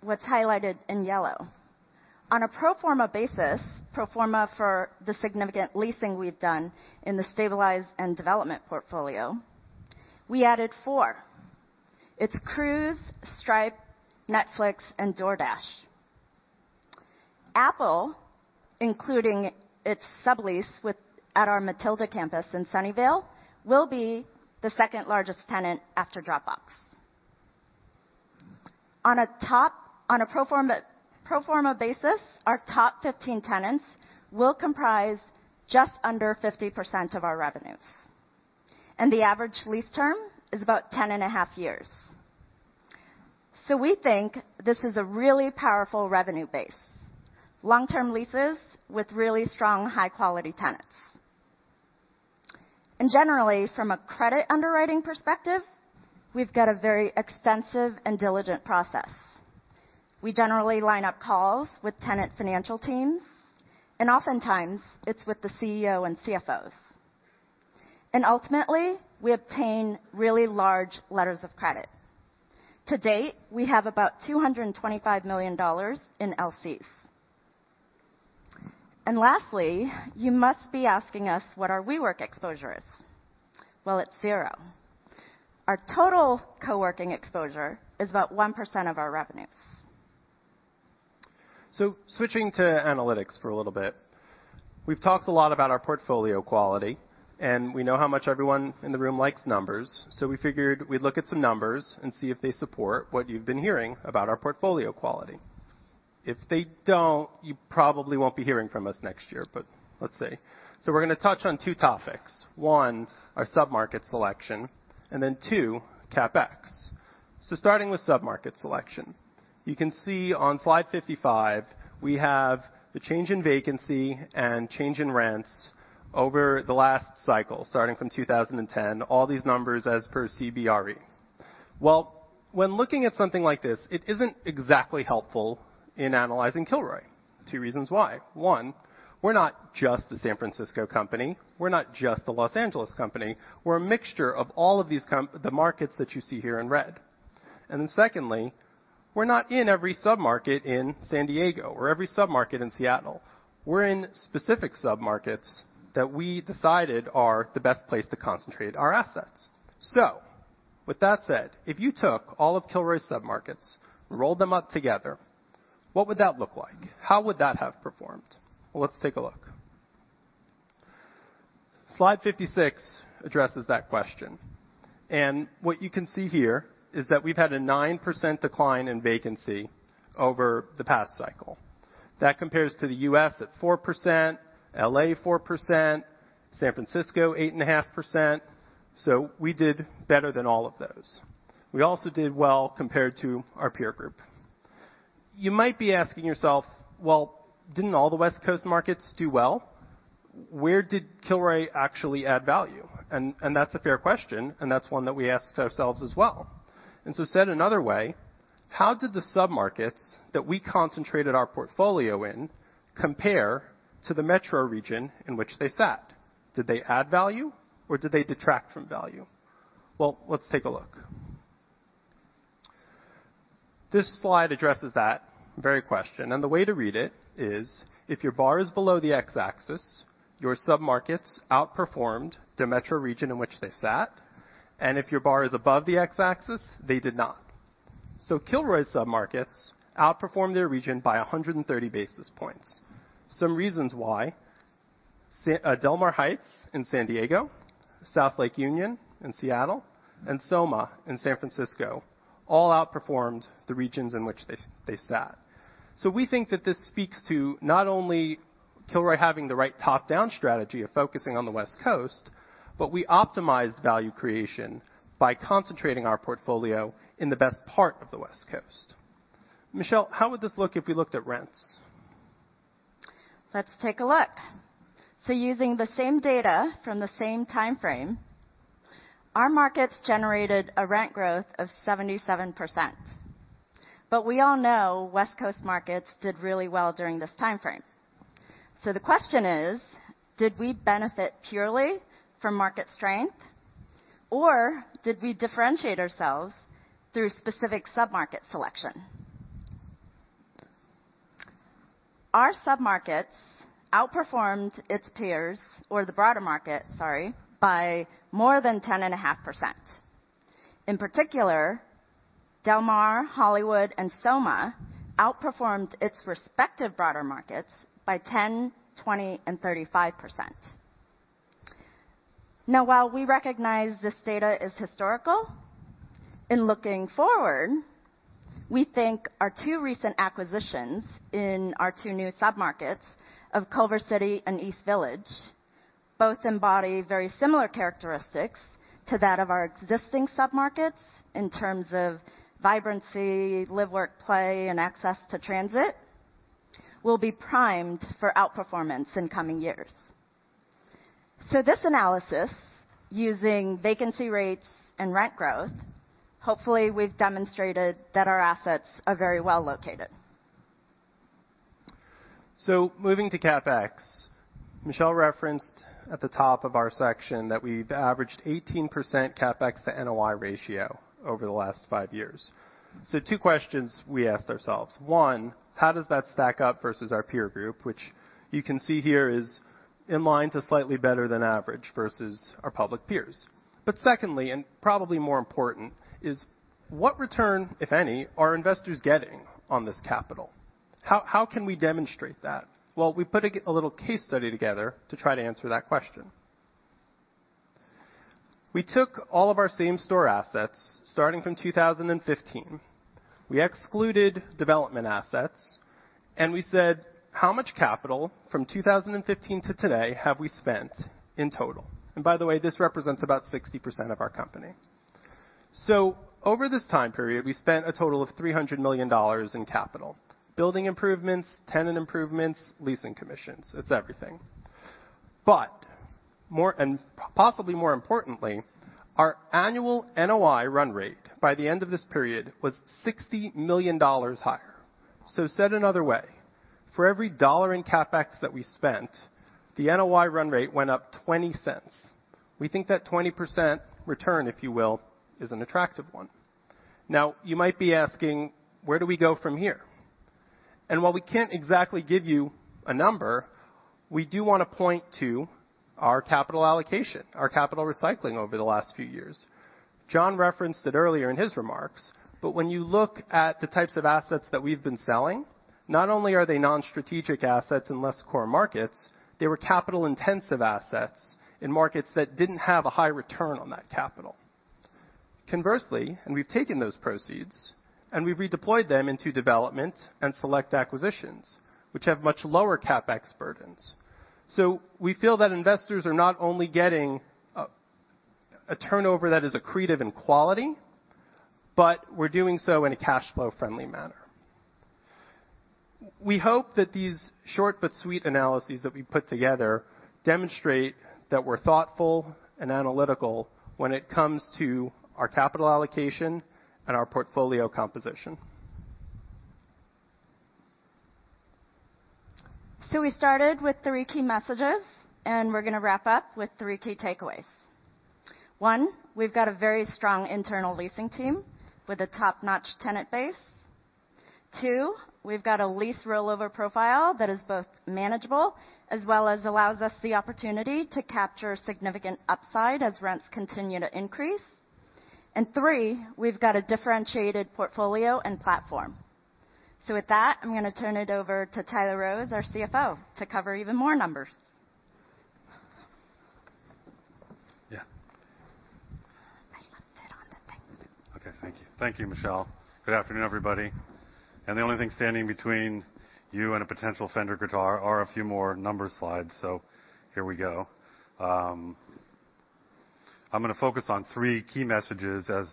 what's highlighted in yellow. On a pro forma basis, pro forma for the significant leasing we've done in the stabilized and development portfolio, we added four. It's Cruise, Stripe, Netflix, and DoorDash. Apple, including its sublease at our Mathilda campus in Sunnyvale, will be the second largest tenant after Dropbox. On a pro forma basis, our top 15 tenants will comprise just under 50% of our revenues. The average lease term is about 10 and a half years. We think this is a really powerful revenue base. Long-term leases with really strong, high-quality tenants. Generally, from a credit underwriting perspective, we've got a very extensive and diligent process. We generally line up calls with tenant financial teams, and oftentimes it's with the CEO and CFOs. Ultimately, we obtain really large letters of credit. To date, we have about $225 million in LCs. Lastly, you must be asking us what our WeWork exposure is. Well, it's zero. Our total co-working exposure is about 1% of our revenues. Switching to analytics for a little bit. We've talked a lot about our portfolio quality, and we know how much everyone in the room likes numbers. We figured we'd look at some numbers and see if they support what you've been hearing about our portfolio quality. If they don't, you probably won't be hearing from us next year, but let's see. We're going to touch on two topics. One, our submarket selection, and then two, CapEx. Starting with submarket selection. You can see on slide 55, we have the change in vacancy and change in rents over the last cycle, starting from 2010, all these numbers as per CBRE. When looking at something like this, it isn't exactly helpful in analyzing Kilroy. Two reasons why. One, we're not just a San Francisco company. We're not just a Los Angeles company. We're a mixture of all of the markets that you see here in red. Secondly, we're not in every submarket in San Diego or every submarket in Seattle. We're in specific submarkets that we decided are the best place to concentrate our assets. With that said, if you took all of Kilroy's submarkets, rolled them up together, what would that look like? How would that have performed? Well, let's take a look. Slide 56 addresses that question. What you can see here is that we've had a 9% decline in vacancy over the past cycle. That compares to the U.S. at 4%, L.A. 4%, San Francisco, 8.5%. We did better than all of those. We also did well compared to our peer group. You might be asking yourself, "Well, didn't all the West Coast markets do well? Where did Kilroy actually add value?" That's a fair question, and that's one that we asked ourselves as well. Said another way, how did the sub-markets that we concentrated our portfolio in compare to the metro region in which they sat? Did they add value or did they detract from value? Well, let's take a look. This slide addresses that very question, and the way to read it is, if your bar is below the X-axis, your sub-markets outperformed the metro region in which they sat. If your bar is above the X-axis, they did not. Kilroy sub-markets outperformed their region by 130 basis points. Some reasons why, Del Mar Heights in San Diego, South Lake Union in Seattle, and SoMa in San Francisco all outperformed the regions in which they sat. We think that this speaks to not only Kilroy having the right top-down strategy of focusing on the West Coast, but we optimized value creation by concentrating our portfolio in the best part of the West Coast. Michelle, how would this look if we looked at rents? Let's take a look. Using the same data from the same timeframe, our markets generated a rent growth of 77%. We all know West Coast markets did really well during this timeframe. The question is: Did we benefit purely from market strength, or did we differentiate ourselves through specific sub-market selection? Our sub-markets outperformed its peers, or the broader market, sorry, by more than 10.5%. In particular, Del Mar, Hollywood, and SoMa outperformed its respective broader markets by 10%, 20%, and 35%. While we recognize this data is historical, in looking forward, we think our two recent acquisitions in our two new sub-markets of Culver City and East Village, both embody very similar characteristics to that of our existing sub-markets in terms of vibrancy, live-work-play, and access to transit, will be primed for outperformance in coming years. This analysis, using vacancy rates and rent growth, hopefully we've demonstrated that our assets are very well located. Moving to CapEx. Michelle referenced at the top of our section that we've averaged 18% CapEx to NOI ratio over the last five years. Two questions we asked ourselves. One, how does that stack up versus our peer group, which you can see here is in line to slightly better than average versus our public peers. Secondly, and probably more important, is what return, if any, are investors getting on this capital? How can we demonstrate that? We put a little case study together to try to answer that question. We took all of our same store assets, starting from 2015. We excluded development assets. We said, "How much capital from 2015 to today have we spent in total?" By the way, this represents about 60% of our company. Over this time period, we spent a total of $300 million in capital. Building improvements, tenant improvements, leasing commissions. It's everything. And possibly more importantly, our annual NOI run rate by the end of this period was $60 million higher. Said another way, for every dollar in CapEx that we spent, the NOI run rate went up $0.20. We think that 20% return, if you will, is an attractive one. You might be asking, where do we go from here? While we can't exactly give you a number, we do want to point to our capital allocation, our capital recycling over the last few years. John referenced it earlier in his remarks. When you look at the types of assets that we've been selling, not only are they non-strategic assets in less core markets, they were capital-intensive assets in markets that didn't have a high return on that capital. Conversely, we've taken those proceeds, and we've redeployed them into development and select acquisitions, which have much lower CapEx burdens. We feel that investors are not only getting a turnover that is accretive in quality, but we're doing so in a cash flow friendly manner. We hope that these short but sweet analyses that we put together demonstrate that we're thoughtful and analytical when it comes to our capital allocation and our portfolio composition. We started with three key messages, and we're going to wrap up with three key takeaways. One, we've got a very strong internal leasing team with a top-notch tenant base. Two, we've got a lease rollover profile that is both manageable as well as allows us the opportunity to capture significant upside as rents continue to increase. Three, we've got a differentiated portfolio and platform. With that, I'm going to turn it over to Tyler Rose, our CFO, to cover even more numbers. Yeah. Are you going to sit on the thing? Me too. Okay, thank you. Thank you, Michelle. Good afternoon, everybody. The only thing standing between you and a potential Fender guitar are a few more number slides. Here we go. I'm going to focus on three key messages as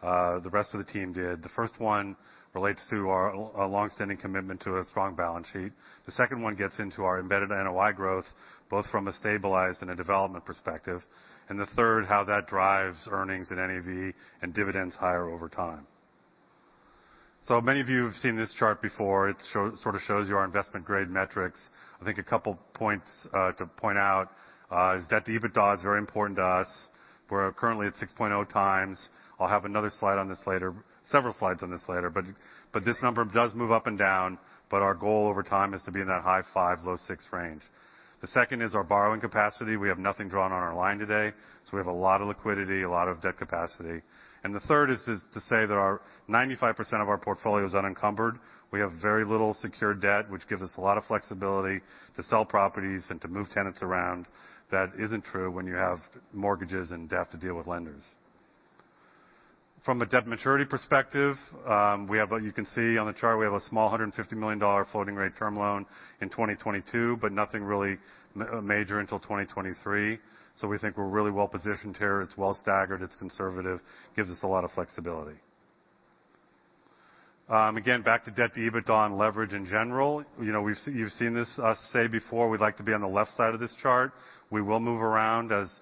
the rest of the team did. The first one relates to our longstanding commitment to a strong balance sheet. The second one gets into our embedded NOI growth, both from a stabilized and a development perspective. The third, how that drives earnings and NAV and dividends higher over time. Many of you have seen this chart before. It sort of shows you our investment grade metrics. I think a couple points to point out is debt to EBITDA is very important to us. We're currently at 6.0x. I'll have another slide on this later, several slides on this later. This number does move up and down, but our goal over time is to be in that high 5, low 6 range. The second is our borrowing capacity. We have nothing drawn on our line today, so we have a lot of liquidity, a lot of debt capacity. The third is to say that our 95% of our portfolio is unencumbered. We have very little secured debt, which gives us a lot of flexibility to sell properties and to move tenants around. That isn't true when you have mortgages and debt to deal with lenders. From a debt maturity perspective, you can see on the chart, we have a small $150 million floating rate term loan in 2022, but nothing really major until 2023. We think we're really well positioned here. It's well staggered, it's conservative, gives us a lot of flexibility. Again, back to debt to EBITDA and leverage in general. You've seen us say before, we'd like to be on the left side of this chart. We will move around. As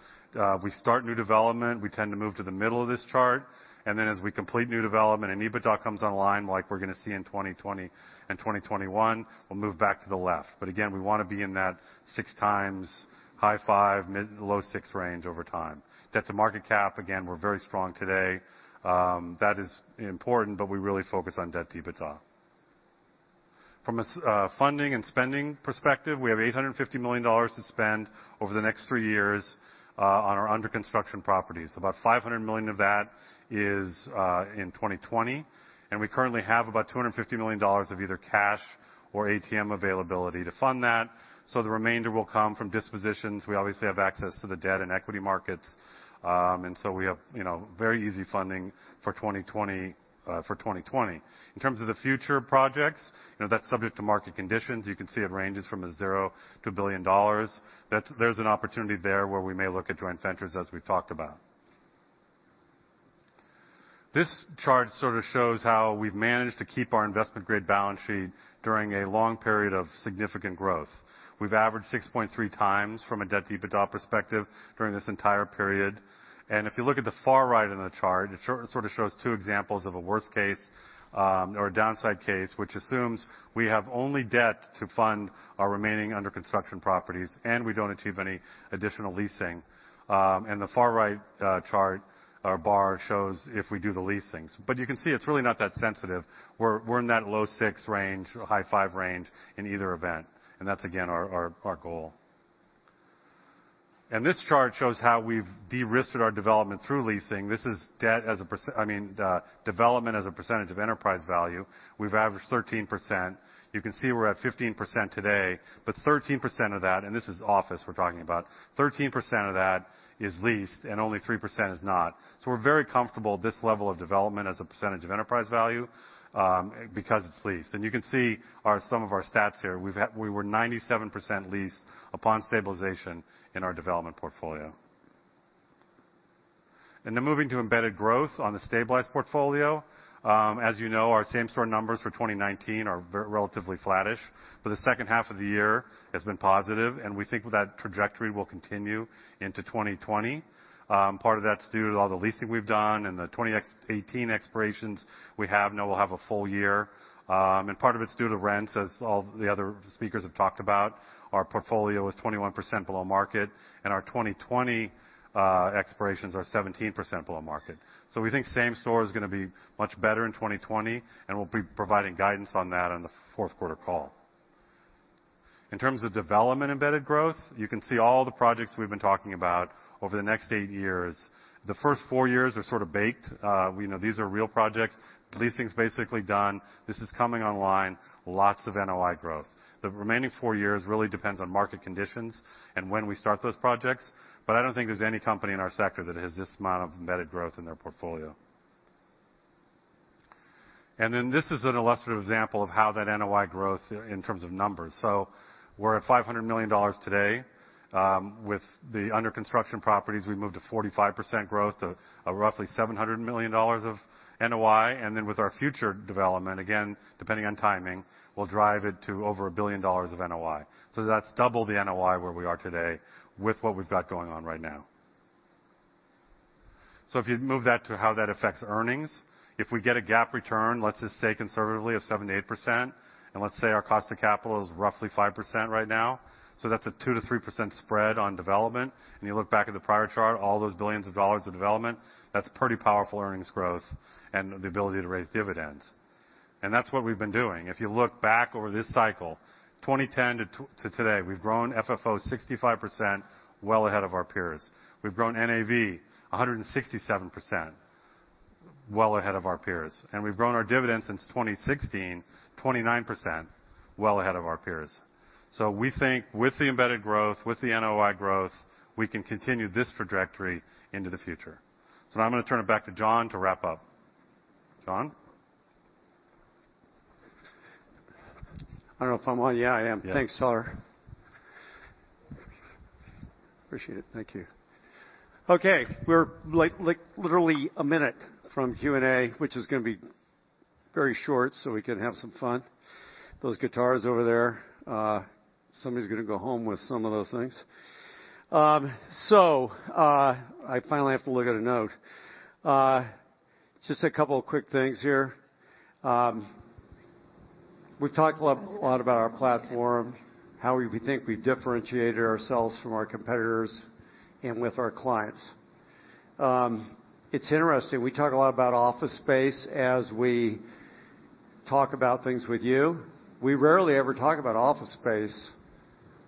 we start new development, we tend to move to the middle of this chart. Then as we complete new development and EBITDA comes online, like we're going to see in 2020 and 2021, we'll move back to the left. Again, we want to be in that six times, high five, low six range over time. Debt to market cap, again, we're very strong today. That is important, but we really focus on debt to EBITDA. From a funding and spending perspective, we have $850 million to spend over the next three years on our under-construction properties. About $500 million of that is in 2020. We currently have about $250 million of either cash or ATM availability to fund that. The remainder will come from dispositions. We obviously have access to the debt and equity markets. We have very easy funding for 2020. In terms of the future projects, that's subject to market conditions. You can see it ranges from 0 to $1 billion. There's an opportunity there where we may look at joint ventures as we've talked about. This chart sort of shows how we've managed to keep our investment-grade balance sheet during a long period of significant growth. We've averaged 6.3 times from a debt-to-EBITDA perspective during this entire period. If you look at the far right of the chart, it sort of shows two examples of a worst case, or a downside case, which assumes we have only debt to fund our remaining under-construction properties, and we don't achieve any additional leasing. The far right chart or bar shows if we do the leasings. You can see it's really not that sensitive. We're in that low six range or high five range in either event, that's again, our goal. This chart shows how we've de-risked our development through leasing. This is development as a percentage of enterprise value. We've averaged 13%. You can see we're at 15% today, 13% of that, and this is office we're talking about, 13% of that is leased and only 3% is not. We're very comfortable at this level of development as a percentage of enterprise value, because it's leased. You can see some of our stats here. We were 97% leased upon stabilization in our development portfolio. Moving to embedded growth on the stabilized portfolio. As you know, our same store NOI for 2019 are relatively flattish, the second half of the year has been positive, we think that trajectory will continue into 2020. Part of that's due to all the leasing we've done and the 2018 expirations we have. Now we'll have a full year. Part of it's due to rents, as all the other speakers have talked about. Our portfolio is 21% below market, and our 2020 expirations are 17% below market. We think same store is going to be much better in 2020, and we'll be providing guidance on that on the fourth quarter call. In terms of development embedded growth, you can see all the projects we've been talking about over the next eight years. The first four years are sort of baked. These are real projects. Leasing's basically done. This is coming online. Lots of NOI growth. The remaining 4 years really depends on market conditions and when we start those projects, but I don't think there's any company in our sector that has this amount of embedded growth in their portfolio. This is an illustrative example of how that NOI growth in terms of numbers. We're at $500 million today. With the under-construction properties, we move to 45% growth of roughly $700 million of NOI. With our future development, again, depending on timing, we'll drive it to over $1 billion of NOI. That's double the NOI where we are today with what we've got going on right now. If you move that to how that affects earnings, if we get a GAAP return, let's just say conservatively of 7-8%, and let's say our cost of capital is roughly 5% right now. That's a 2%-3% spread on development. You look back at the prior chart, all those $ billions of development, that's pretty powerful earnings growth and the ability to raise dividends. That's what we've been doing. If you look back over this cycle, 2010 to today, we've grown FFO 65%, well ahead of our peers. We've grown NAV 167%, well ahead of our peers. We've grown our dividends since 2016, 29%, well ahead of our peers. We think with the embedded growth, with the NOI growth, we can continue this trajectory into the future. Now I'm going to turn it back to John to wrap up. John? I don't know if I'm on. Yeah, I am. Yeah. Thanks, Tyler. Appreciate it. Thank you. We're literally a minute from Q&A, which is going to be very short. We can have some fun. Those guitars over there, somebody's going to go home with some of those things. I finally have to look at a note. Just a couple of quick things here. We've talked a lot about our platform, how we think we've differentiated ourselves from our competitors and with our clients. It's interesting. We talk a lot about office space as we talk about things with you. We rarely ever talk about office space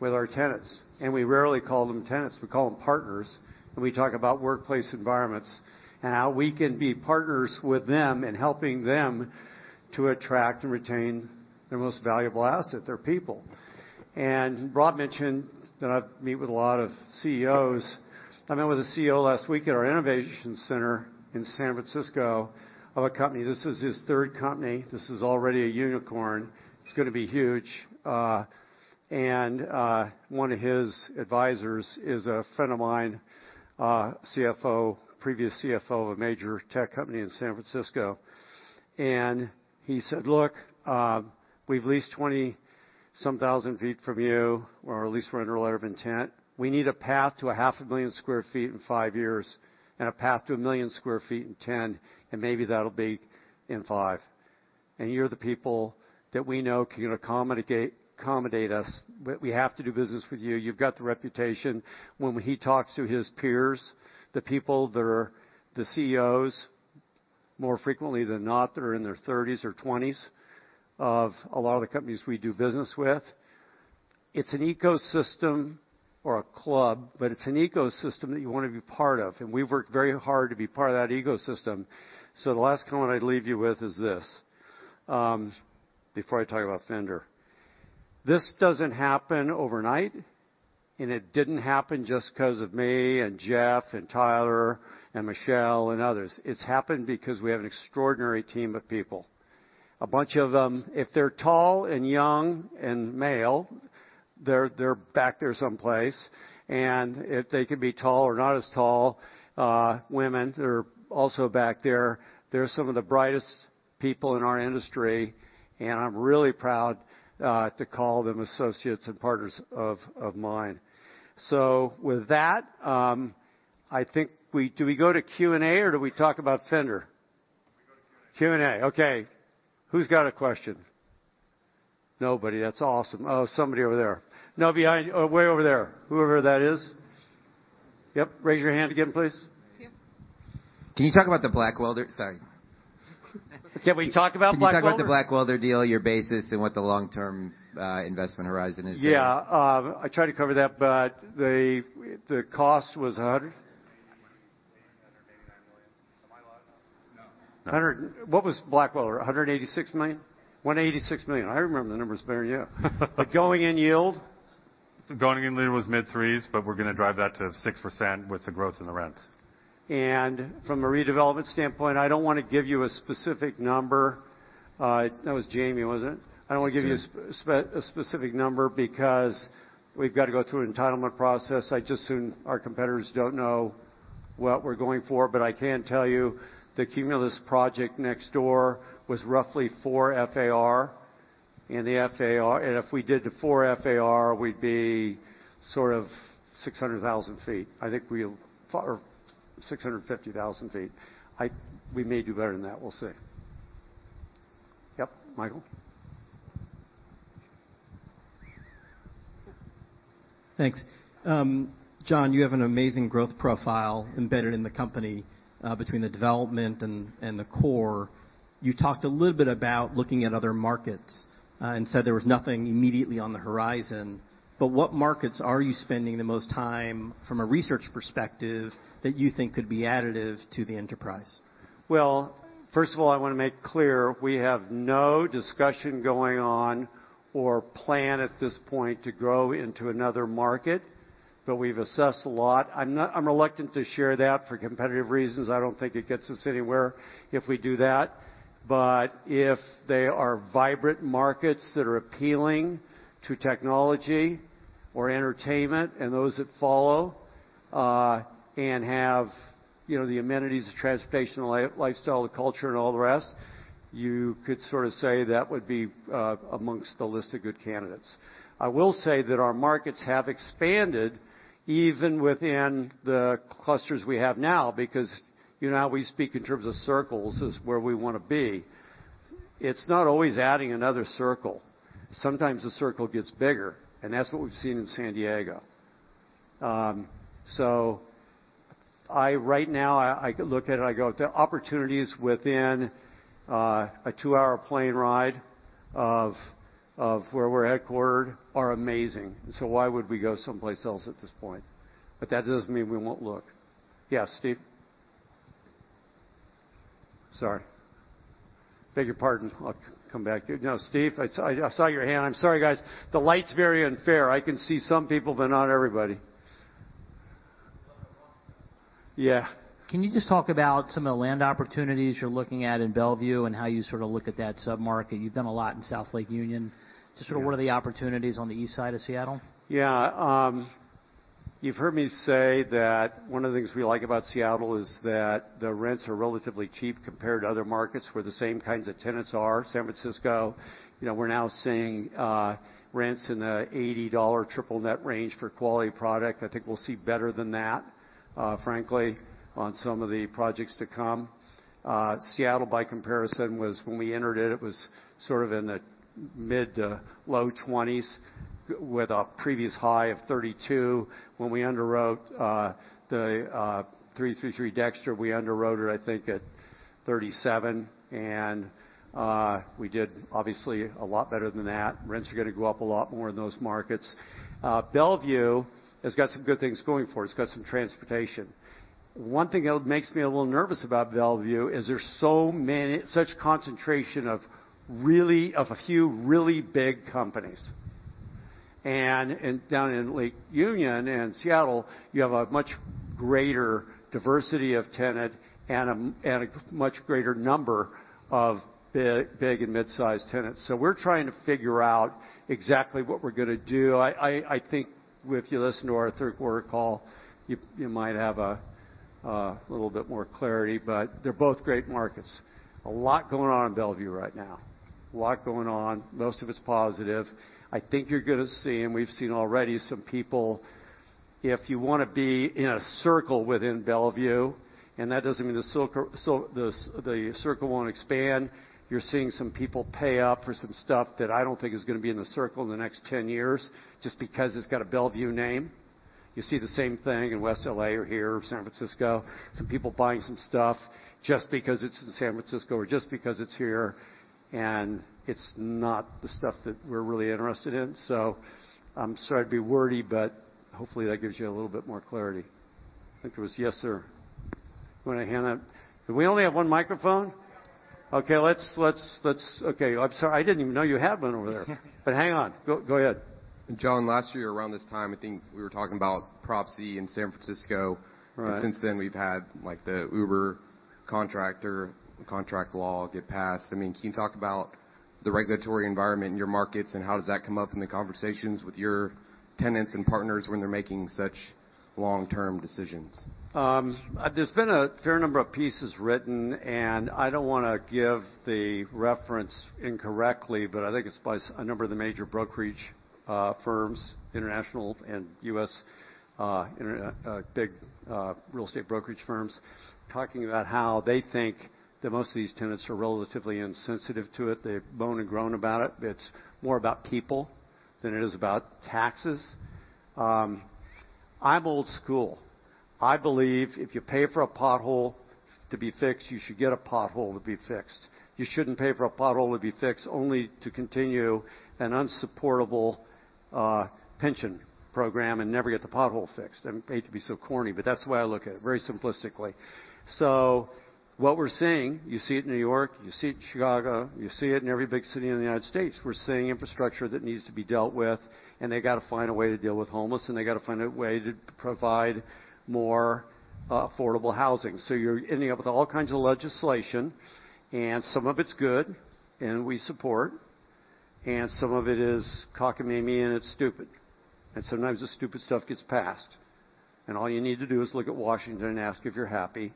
with our tenants. We rarely call them tenants. We call them partners. We talk about workplace environments and how we can be partners with them in helping them to attract and retain their most valuable asset, their people. Rob mentioned that I meet with a lot of CEOs. I met with a CEO last week at our innovation center in San Francisco of a company. This is his third company. This is already a unicorn. It's going to be huge. One of his advisors is a friend of mine, previous CFO of a major tech company in San Francisco. He said, "Look, we've leased 20-some thousand feet from you, or at least we're under letter of intent. We need a path to a half a million square feet in five years, a path to a million square feet in 10, and maybe that'll be in five. You're the people that we know can accommodate us. We have to do business with you. You've got the reputation. When he talks to his peers, the people that are the CEOs, more frequently than not, they're in their 30s or 20s of a lot of the companies we do business with. It's an ecosystem or a club, but it's an ecosystem that you want to be part of. We've worked very hard to be part of that ecosystem. The last comment I'd leave you with is this, before I talk about Fender. This doesn't happen overnight, it didn't happen just because of me and Jeff and Tyler and Michelle and others. It's happened because we have an extraordinary team of people. A bunch of them, if they're tall and young and male, they're back there someplace. If they could be tall or not as tall, women that are also back there, they're some of the brightest people in our industry, and I'm really proud to call them associates and partners of mine. With that, do we go to Q&A or do we talk about Fender? We go to Q&A. Q&A. Okay. Who's got a question? Nobody. That's awesome. Oh, somebody over there. No, way over there. Whoever that is. Yep. Raise your hand again, please. Here. Can you talk about the Blackwelder? Sorry. Can we talk about Blackwelder? Can you talk about the Blackwelder deal, your basis, and what the long-term investment horizon is there? Yeah. I tried to cover that, but the cost was $100? I think you were saying $189 million. Am I allowed to know? No. What was Blackwelder, $186 million? $186 million. I remember the numbers better than you. The going-in yield? The going-in yield was mid threes, but we're going to drive that to 6% with the growth in the rents. From a redevelopment standpoint, I don't want to give you a specific number. That was Jamie, was it? Steve. I don't want to give you a specific number because we've got to go through an entitlement process. I'd just as soon our competitors don't know what we're going for. I can tell you the Cumulus project next door was roughly four FAR, and if we did the four FAR, we'd be sort of 600,000 feet. 650,000 feet. We may do better than that. We'll see. Yep, Michael. Thanks. John, you have an amazing growth profile embedded in the company, between the development and the core. You talked a little bit about looking at other markets and said there was nothing immediately on the horizon, what markets are you spending the most time, from a research perspective, that you think could be additive to the enterprise? Well, first of all, I want to make clear we have no discussion going on or plan at this point to grow into another market. We've assessed a lot. I'm reluctant to share that for competitive reasons. I don't think it gets us anywhere if we do that. If they are vibrant markets that are appealing to technology or entertainment and those that follow, and have the amenities, the transportation, the lifestyle, the culture, and all the rest, you could sort of say that would be amongst the list of good candidates. I will say that our markets have expanded even within the clusters we have now because you know how we speak in terms of circles is where we want to be. It's not always adding another circle. Sometimes the circle gets bigger, and that's what we've seen in San Diego. Right now, I look at it, I go, the opportunities within a two-hour plane ride of where we're headquartered are amazing. Why would we go someplace else at this point? That doesn't mean we won't look. Yeah, Steve? Sorry. Beg your pardon. I'll come back to you. No, Steve, I saw your hand. I'm sorry, guys. The light's very unfair. I can see some people, but not everybody. Yeah. Can you just talk about some of the land opportunities you're looking at in Bellevue, and how you look at that sub-market? You've done a lot in South Lake Union. Yeah. Just sort of what are the opportunities on the east side of Seattle? Yeah. You've heard me say that one of the things we like about Seattle is that the rents are relatively cheap compared to other markets where the same kinds of tenants are. San Francisco, we're now seeing rents in the $80 triple net range for quality product. I think we'll see better than that, frankly, on some of the projects to come. Seattle, by comparison, when we entered it was sort of in the mid to low 20s, with a previous high of 32. When we underwrote the 333 Dexter, we underwrote it, I think, at 37. We did obviously a lot better than that. Rents are going to go up a lot more in those markets. Bellevue has got some good things going for it. It's got some transportation. One thing that makes me a little nervous about Bellevue is there's such concentration of a few really big companies. Down in Lake Union and Seattle, you have a much greater diversity of tenant, and a much greater number of big and mid-size tenants. We're trying to figure out exactly what we're going to do. I think if you listen to our third quarter call, you might have a little bit more clarity. They're both great markets. A lot going on in Bellevue right now. A lot going on. Most of it's positive. I think you're going to see, and we've seen already If you want to be in a circle within Bellevue, and that doesn't mean the circle won't expand. You're seeing some people pay up for some stuff that I don't think is going to be in the circle in the next 10 years, just because it's got a Bellevue name. You see the same thing in West L.A. or here, San Francisco. Some people buying some stuff just because it's in San Francisco, or just because it's here, and it's not the stuff that we're really interested in. I'm sorry to be wordy, but hopefully, that gives you a little bit more clarity. Yes, sir. Do we only have one microphone? Okay. I'm sorry. I didn't even know you had one over there. Hang on. Go ahead. John, last year around this time, I think we were talking about Prop C in San Francisco. Right. Since then, we've had the Uber contract law get passed. Can you talk about the regulatory environment in your markets, and how does that come up in the conversations with your tenants and partners when they're making such long-term decisions? There's been a fair number of pieces written, and I don't want to give the reference incorrectly, but I think it's by a number of the major brokerage firms, international and U.S. big real estate brokerage firms, talking about how they think that most of these tenants are relatively insensitive to it. They've moaned and groaned about it. It's more about people than it is about taxes. I'm old school. I believe if you pay for a pothole to be fixed, you should get a pothole to be fixed. You shouldn't pay for a pothole to be fixed, only to continue an unsupportable pension program and never get the pothole fixed. I hate to be so corny, but that's the way I look at it, very simplistically. What we're seeing, you see it in New York, you see it in Chicago, you see it in every big city in the U.S. We're seeing infrastructure that needs to be dealt with, and they've got to find a way to deal with homeless, and they've got to find a way to provide more affordable housing. You're ending up with all kinds of legislation, and some of it's good, and we support. Some of it is cockamamie and it's stupid. Sometimes the stupid stuff gets passed. All you need to do is look at Washington and ask if you're happy,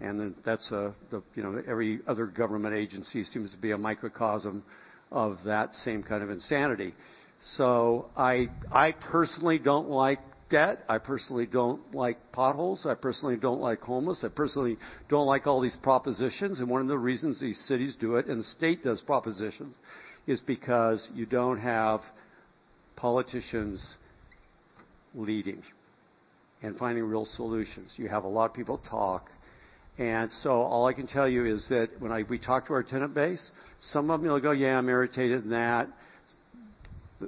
and then every other government agency seems to be a microcosm of that same kind of insanity. I personally don't like debt. I personally don't like potholes. I personally don't like homeless. I personally don't like all these propositions. One of the reasons these cities do it, and the state does propositions, is because you don't have politicians leading and finding real solutions. You have a lot of people talk. All I can tell you is that when we talk to our tenant base, some of them will go, "Yeah, I'm irritated at that."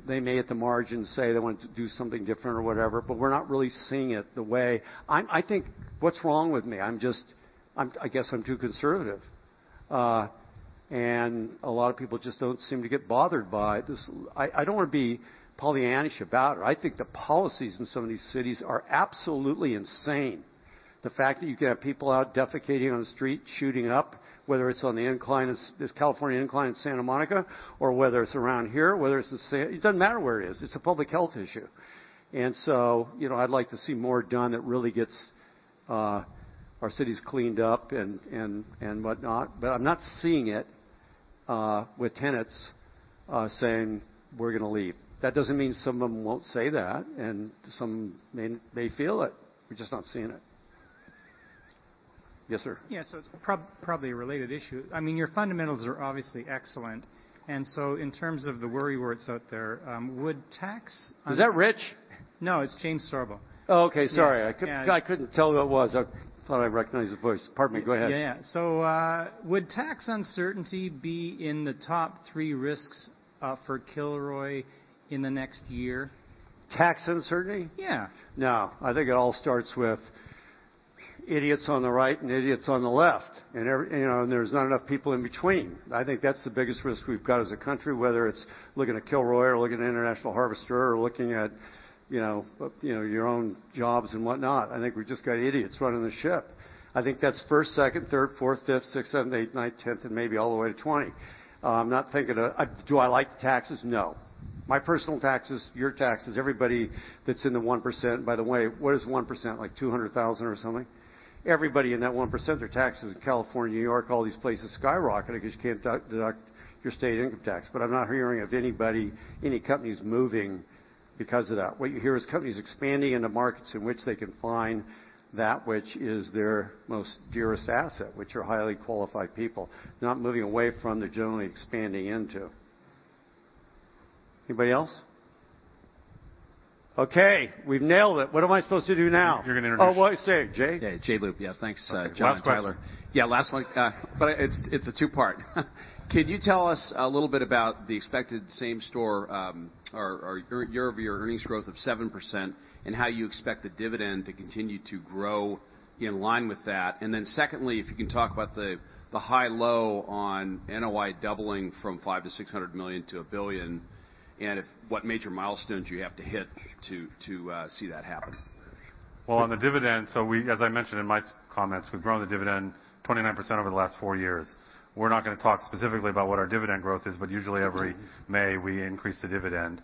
They may, at the margin, say they want to do something different or whatever, but we're not really seeing it the way I think, what's wrong with me? I guess I'm too conservative. A lot of people just don't seem to get bothered by this. I don't want to be Pollyannish about it. I think the policies in some of these cities are absolutely insane. The fact that you can have people out defecating on the street, shooting up, whether it's on this California incline in Santa Monica or whether it's around here. It doesn't matter where it is. It's a public health issue. I'd like to see more done that really gets our cities cleaned up and whatnot. I'm not seeing it with tenants saying, "We're going to leave." That doesn't mean some of them won't say that, and some may feel it. We're just not seeing it. Yes, sir. Yeah. It's probably a related issue. Your fundamentals are obviously excellent, and so in terms of the worry where it's out there. Is that Rich? No, it's James Sorbo. Oh, okay. Sorry. Yeah. I couldn't tell who it was. I thought I recognized the voice. Pardon me. Go ahead. Yeah. Would tax uncertainty be in the top three risks for Kilroy in the next year? Tax uncertainty? Yeah. No. I think it all starts with idiots on the right and idiots on the left. There's not enough people in between. I think that's the biggest risk we've got as a country, whether it's looking at Kilroy or looking at International Harvester or looking at your own jobs and whatnot. I think we just got idiots running the ship. I think that's first, second, third, fourth, fifth, sixth, seventh, eighth, ninth, 10th, and maybe all the way to 20. Do I like the taxes? No. My personal taxes, your taxes, everybody that's in the 1%. By the way, what is 1%? Like $200,000 or something? Everybody in that 1%, their taxes in California, New York, all these places skyrocket because you can't deduct your state income tax. I'm not hearing of anybody, any companies moving because of that. What you hear is companies expanding into markets in which they can find that which is their most dearest asset, which are highly qualified people. Not moving away from, they're generally expanding into. Anybody else? Okay, we've nailed it. What am I supposed to do now? You're going to introduce- Oh, what I say. Jay? Yeah. Jay Leupp. Yeah, thanks, John and Tyler. Last question. Last one. It's a two-part. Can you tell us a little bit about the expected same store or year-over-year earnings growth of 7% and how you expect the dividend to continue to grow in line with that? Secondly, if you can talk about the high low on NOI doubling from $5 million to $600 million to $1 billion, and what major milestones you have to hit to see that happen? Well, on the dividend, as I mentioned in my comments, we've grown the dividend 29% over the last four years. We're not going to talk specifically about what our dividend growth is, but usually every May, we increase the dividend.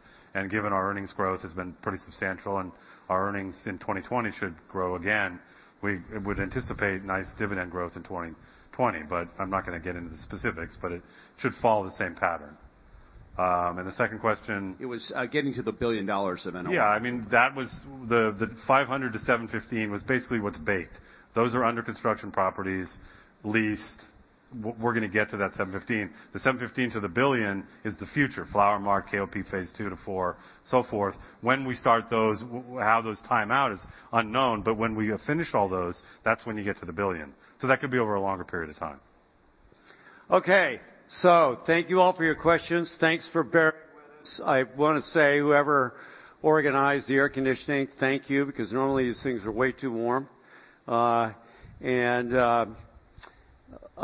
Given our earnings growth has been pretty substantial and our earnings in 2020 should grow again, we would anticipate nice dividend growth in 2020. I'm not going to get into the specifics, but it should follow the same pattern. The second question. It was getting to the $1 billion of NOI. Yeah. The $500-$715 was basically what's baked. Those are under construction properties, leased. We're going to get to that $715. The $715 to the $1 billion is the future. Flower Mart, KOP phase 2 to 4, so forth. When we start those, how those time out is unknown. When we finish all those, that's when you get to the $1 billion. That could be over a longer period of time. Okay. Thank you all for your questions. Thanks for bearing with us. I want to say, whoever organized the air conditioning, thank you, because normally these things are way too warm. I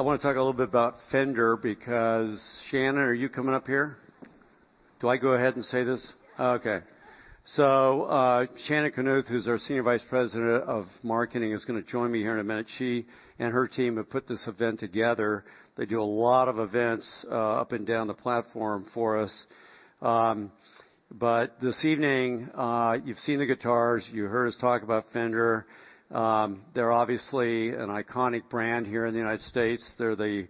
want to talk a little bit about Fender because Shannon, are you coming up here? Do I go ahead and say this? Okay. Shannon Knuth, who's our senior vice president of marketing, is going to join me here in a minute. She and her team have put this event together. They do a lot of events up and down the platform for us. This evening, you've seen the guitars, you heard us talk about Fender. They're obviously an iconic brand here in the United States. They're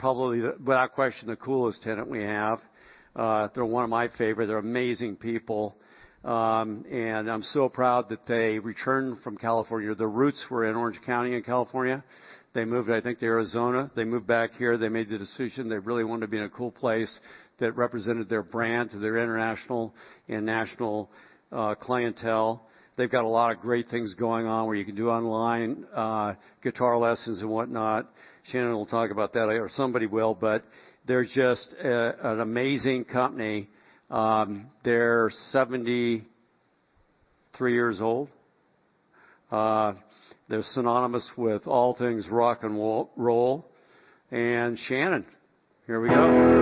probably, without question, the coolest tenant we have. They're one of my favorite. They're amazing people. I'm so proud that they returned from California. Their roots were in Orange County in California. They moved, I think, to Arizona. They moved back here. They made the decision they really wanted to be in a cool place that represented their brand to their international and national clientele. They've got a lot of great things going on where you can do online guitar lessons and whatnot. Shannon will talk about that later, or somebody will. They're just an amazing company. They're 73 years old. They're synonymous with all things rock and roll. Shannon, here we go.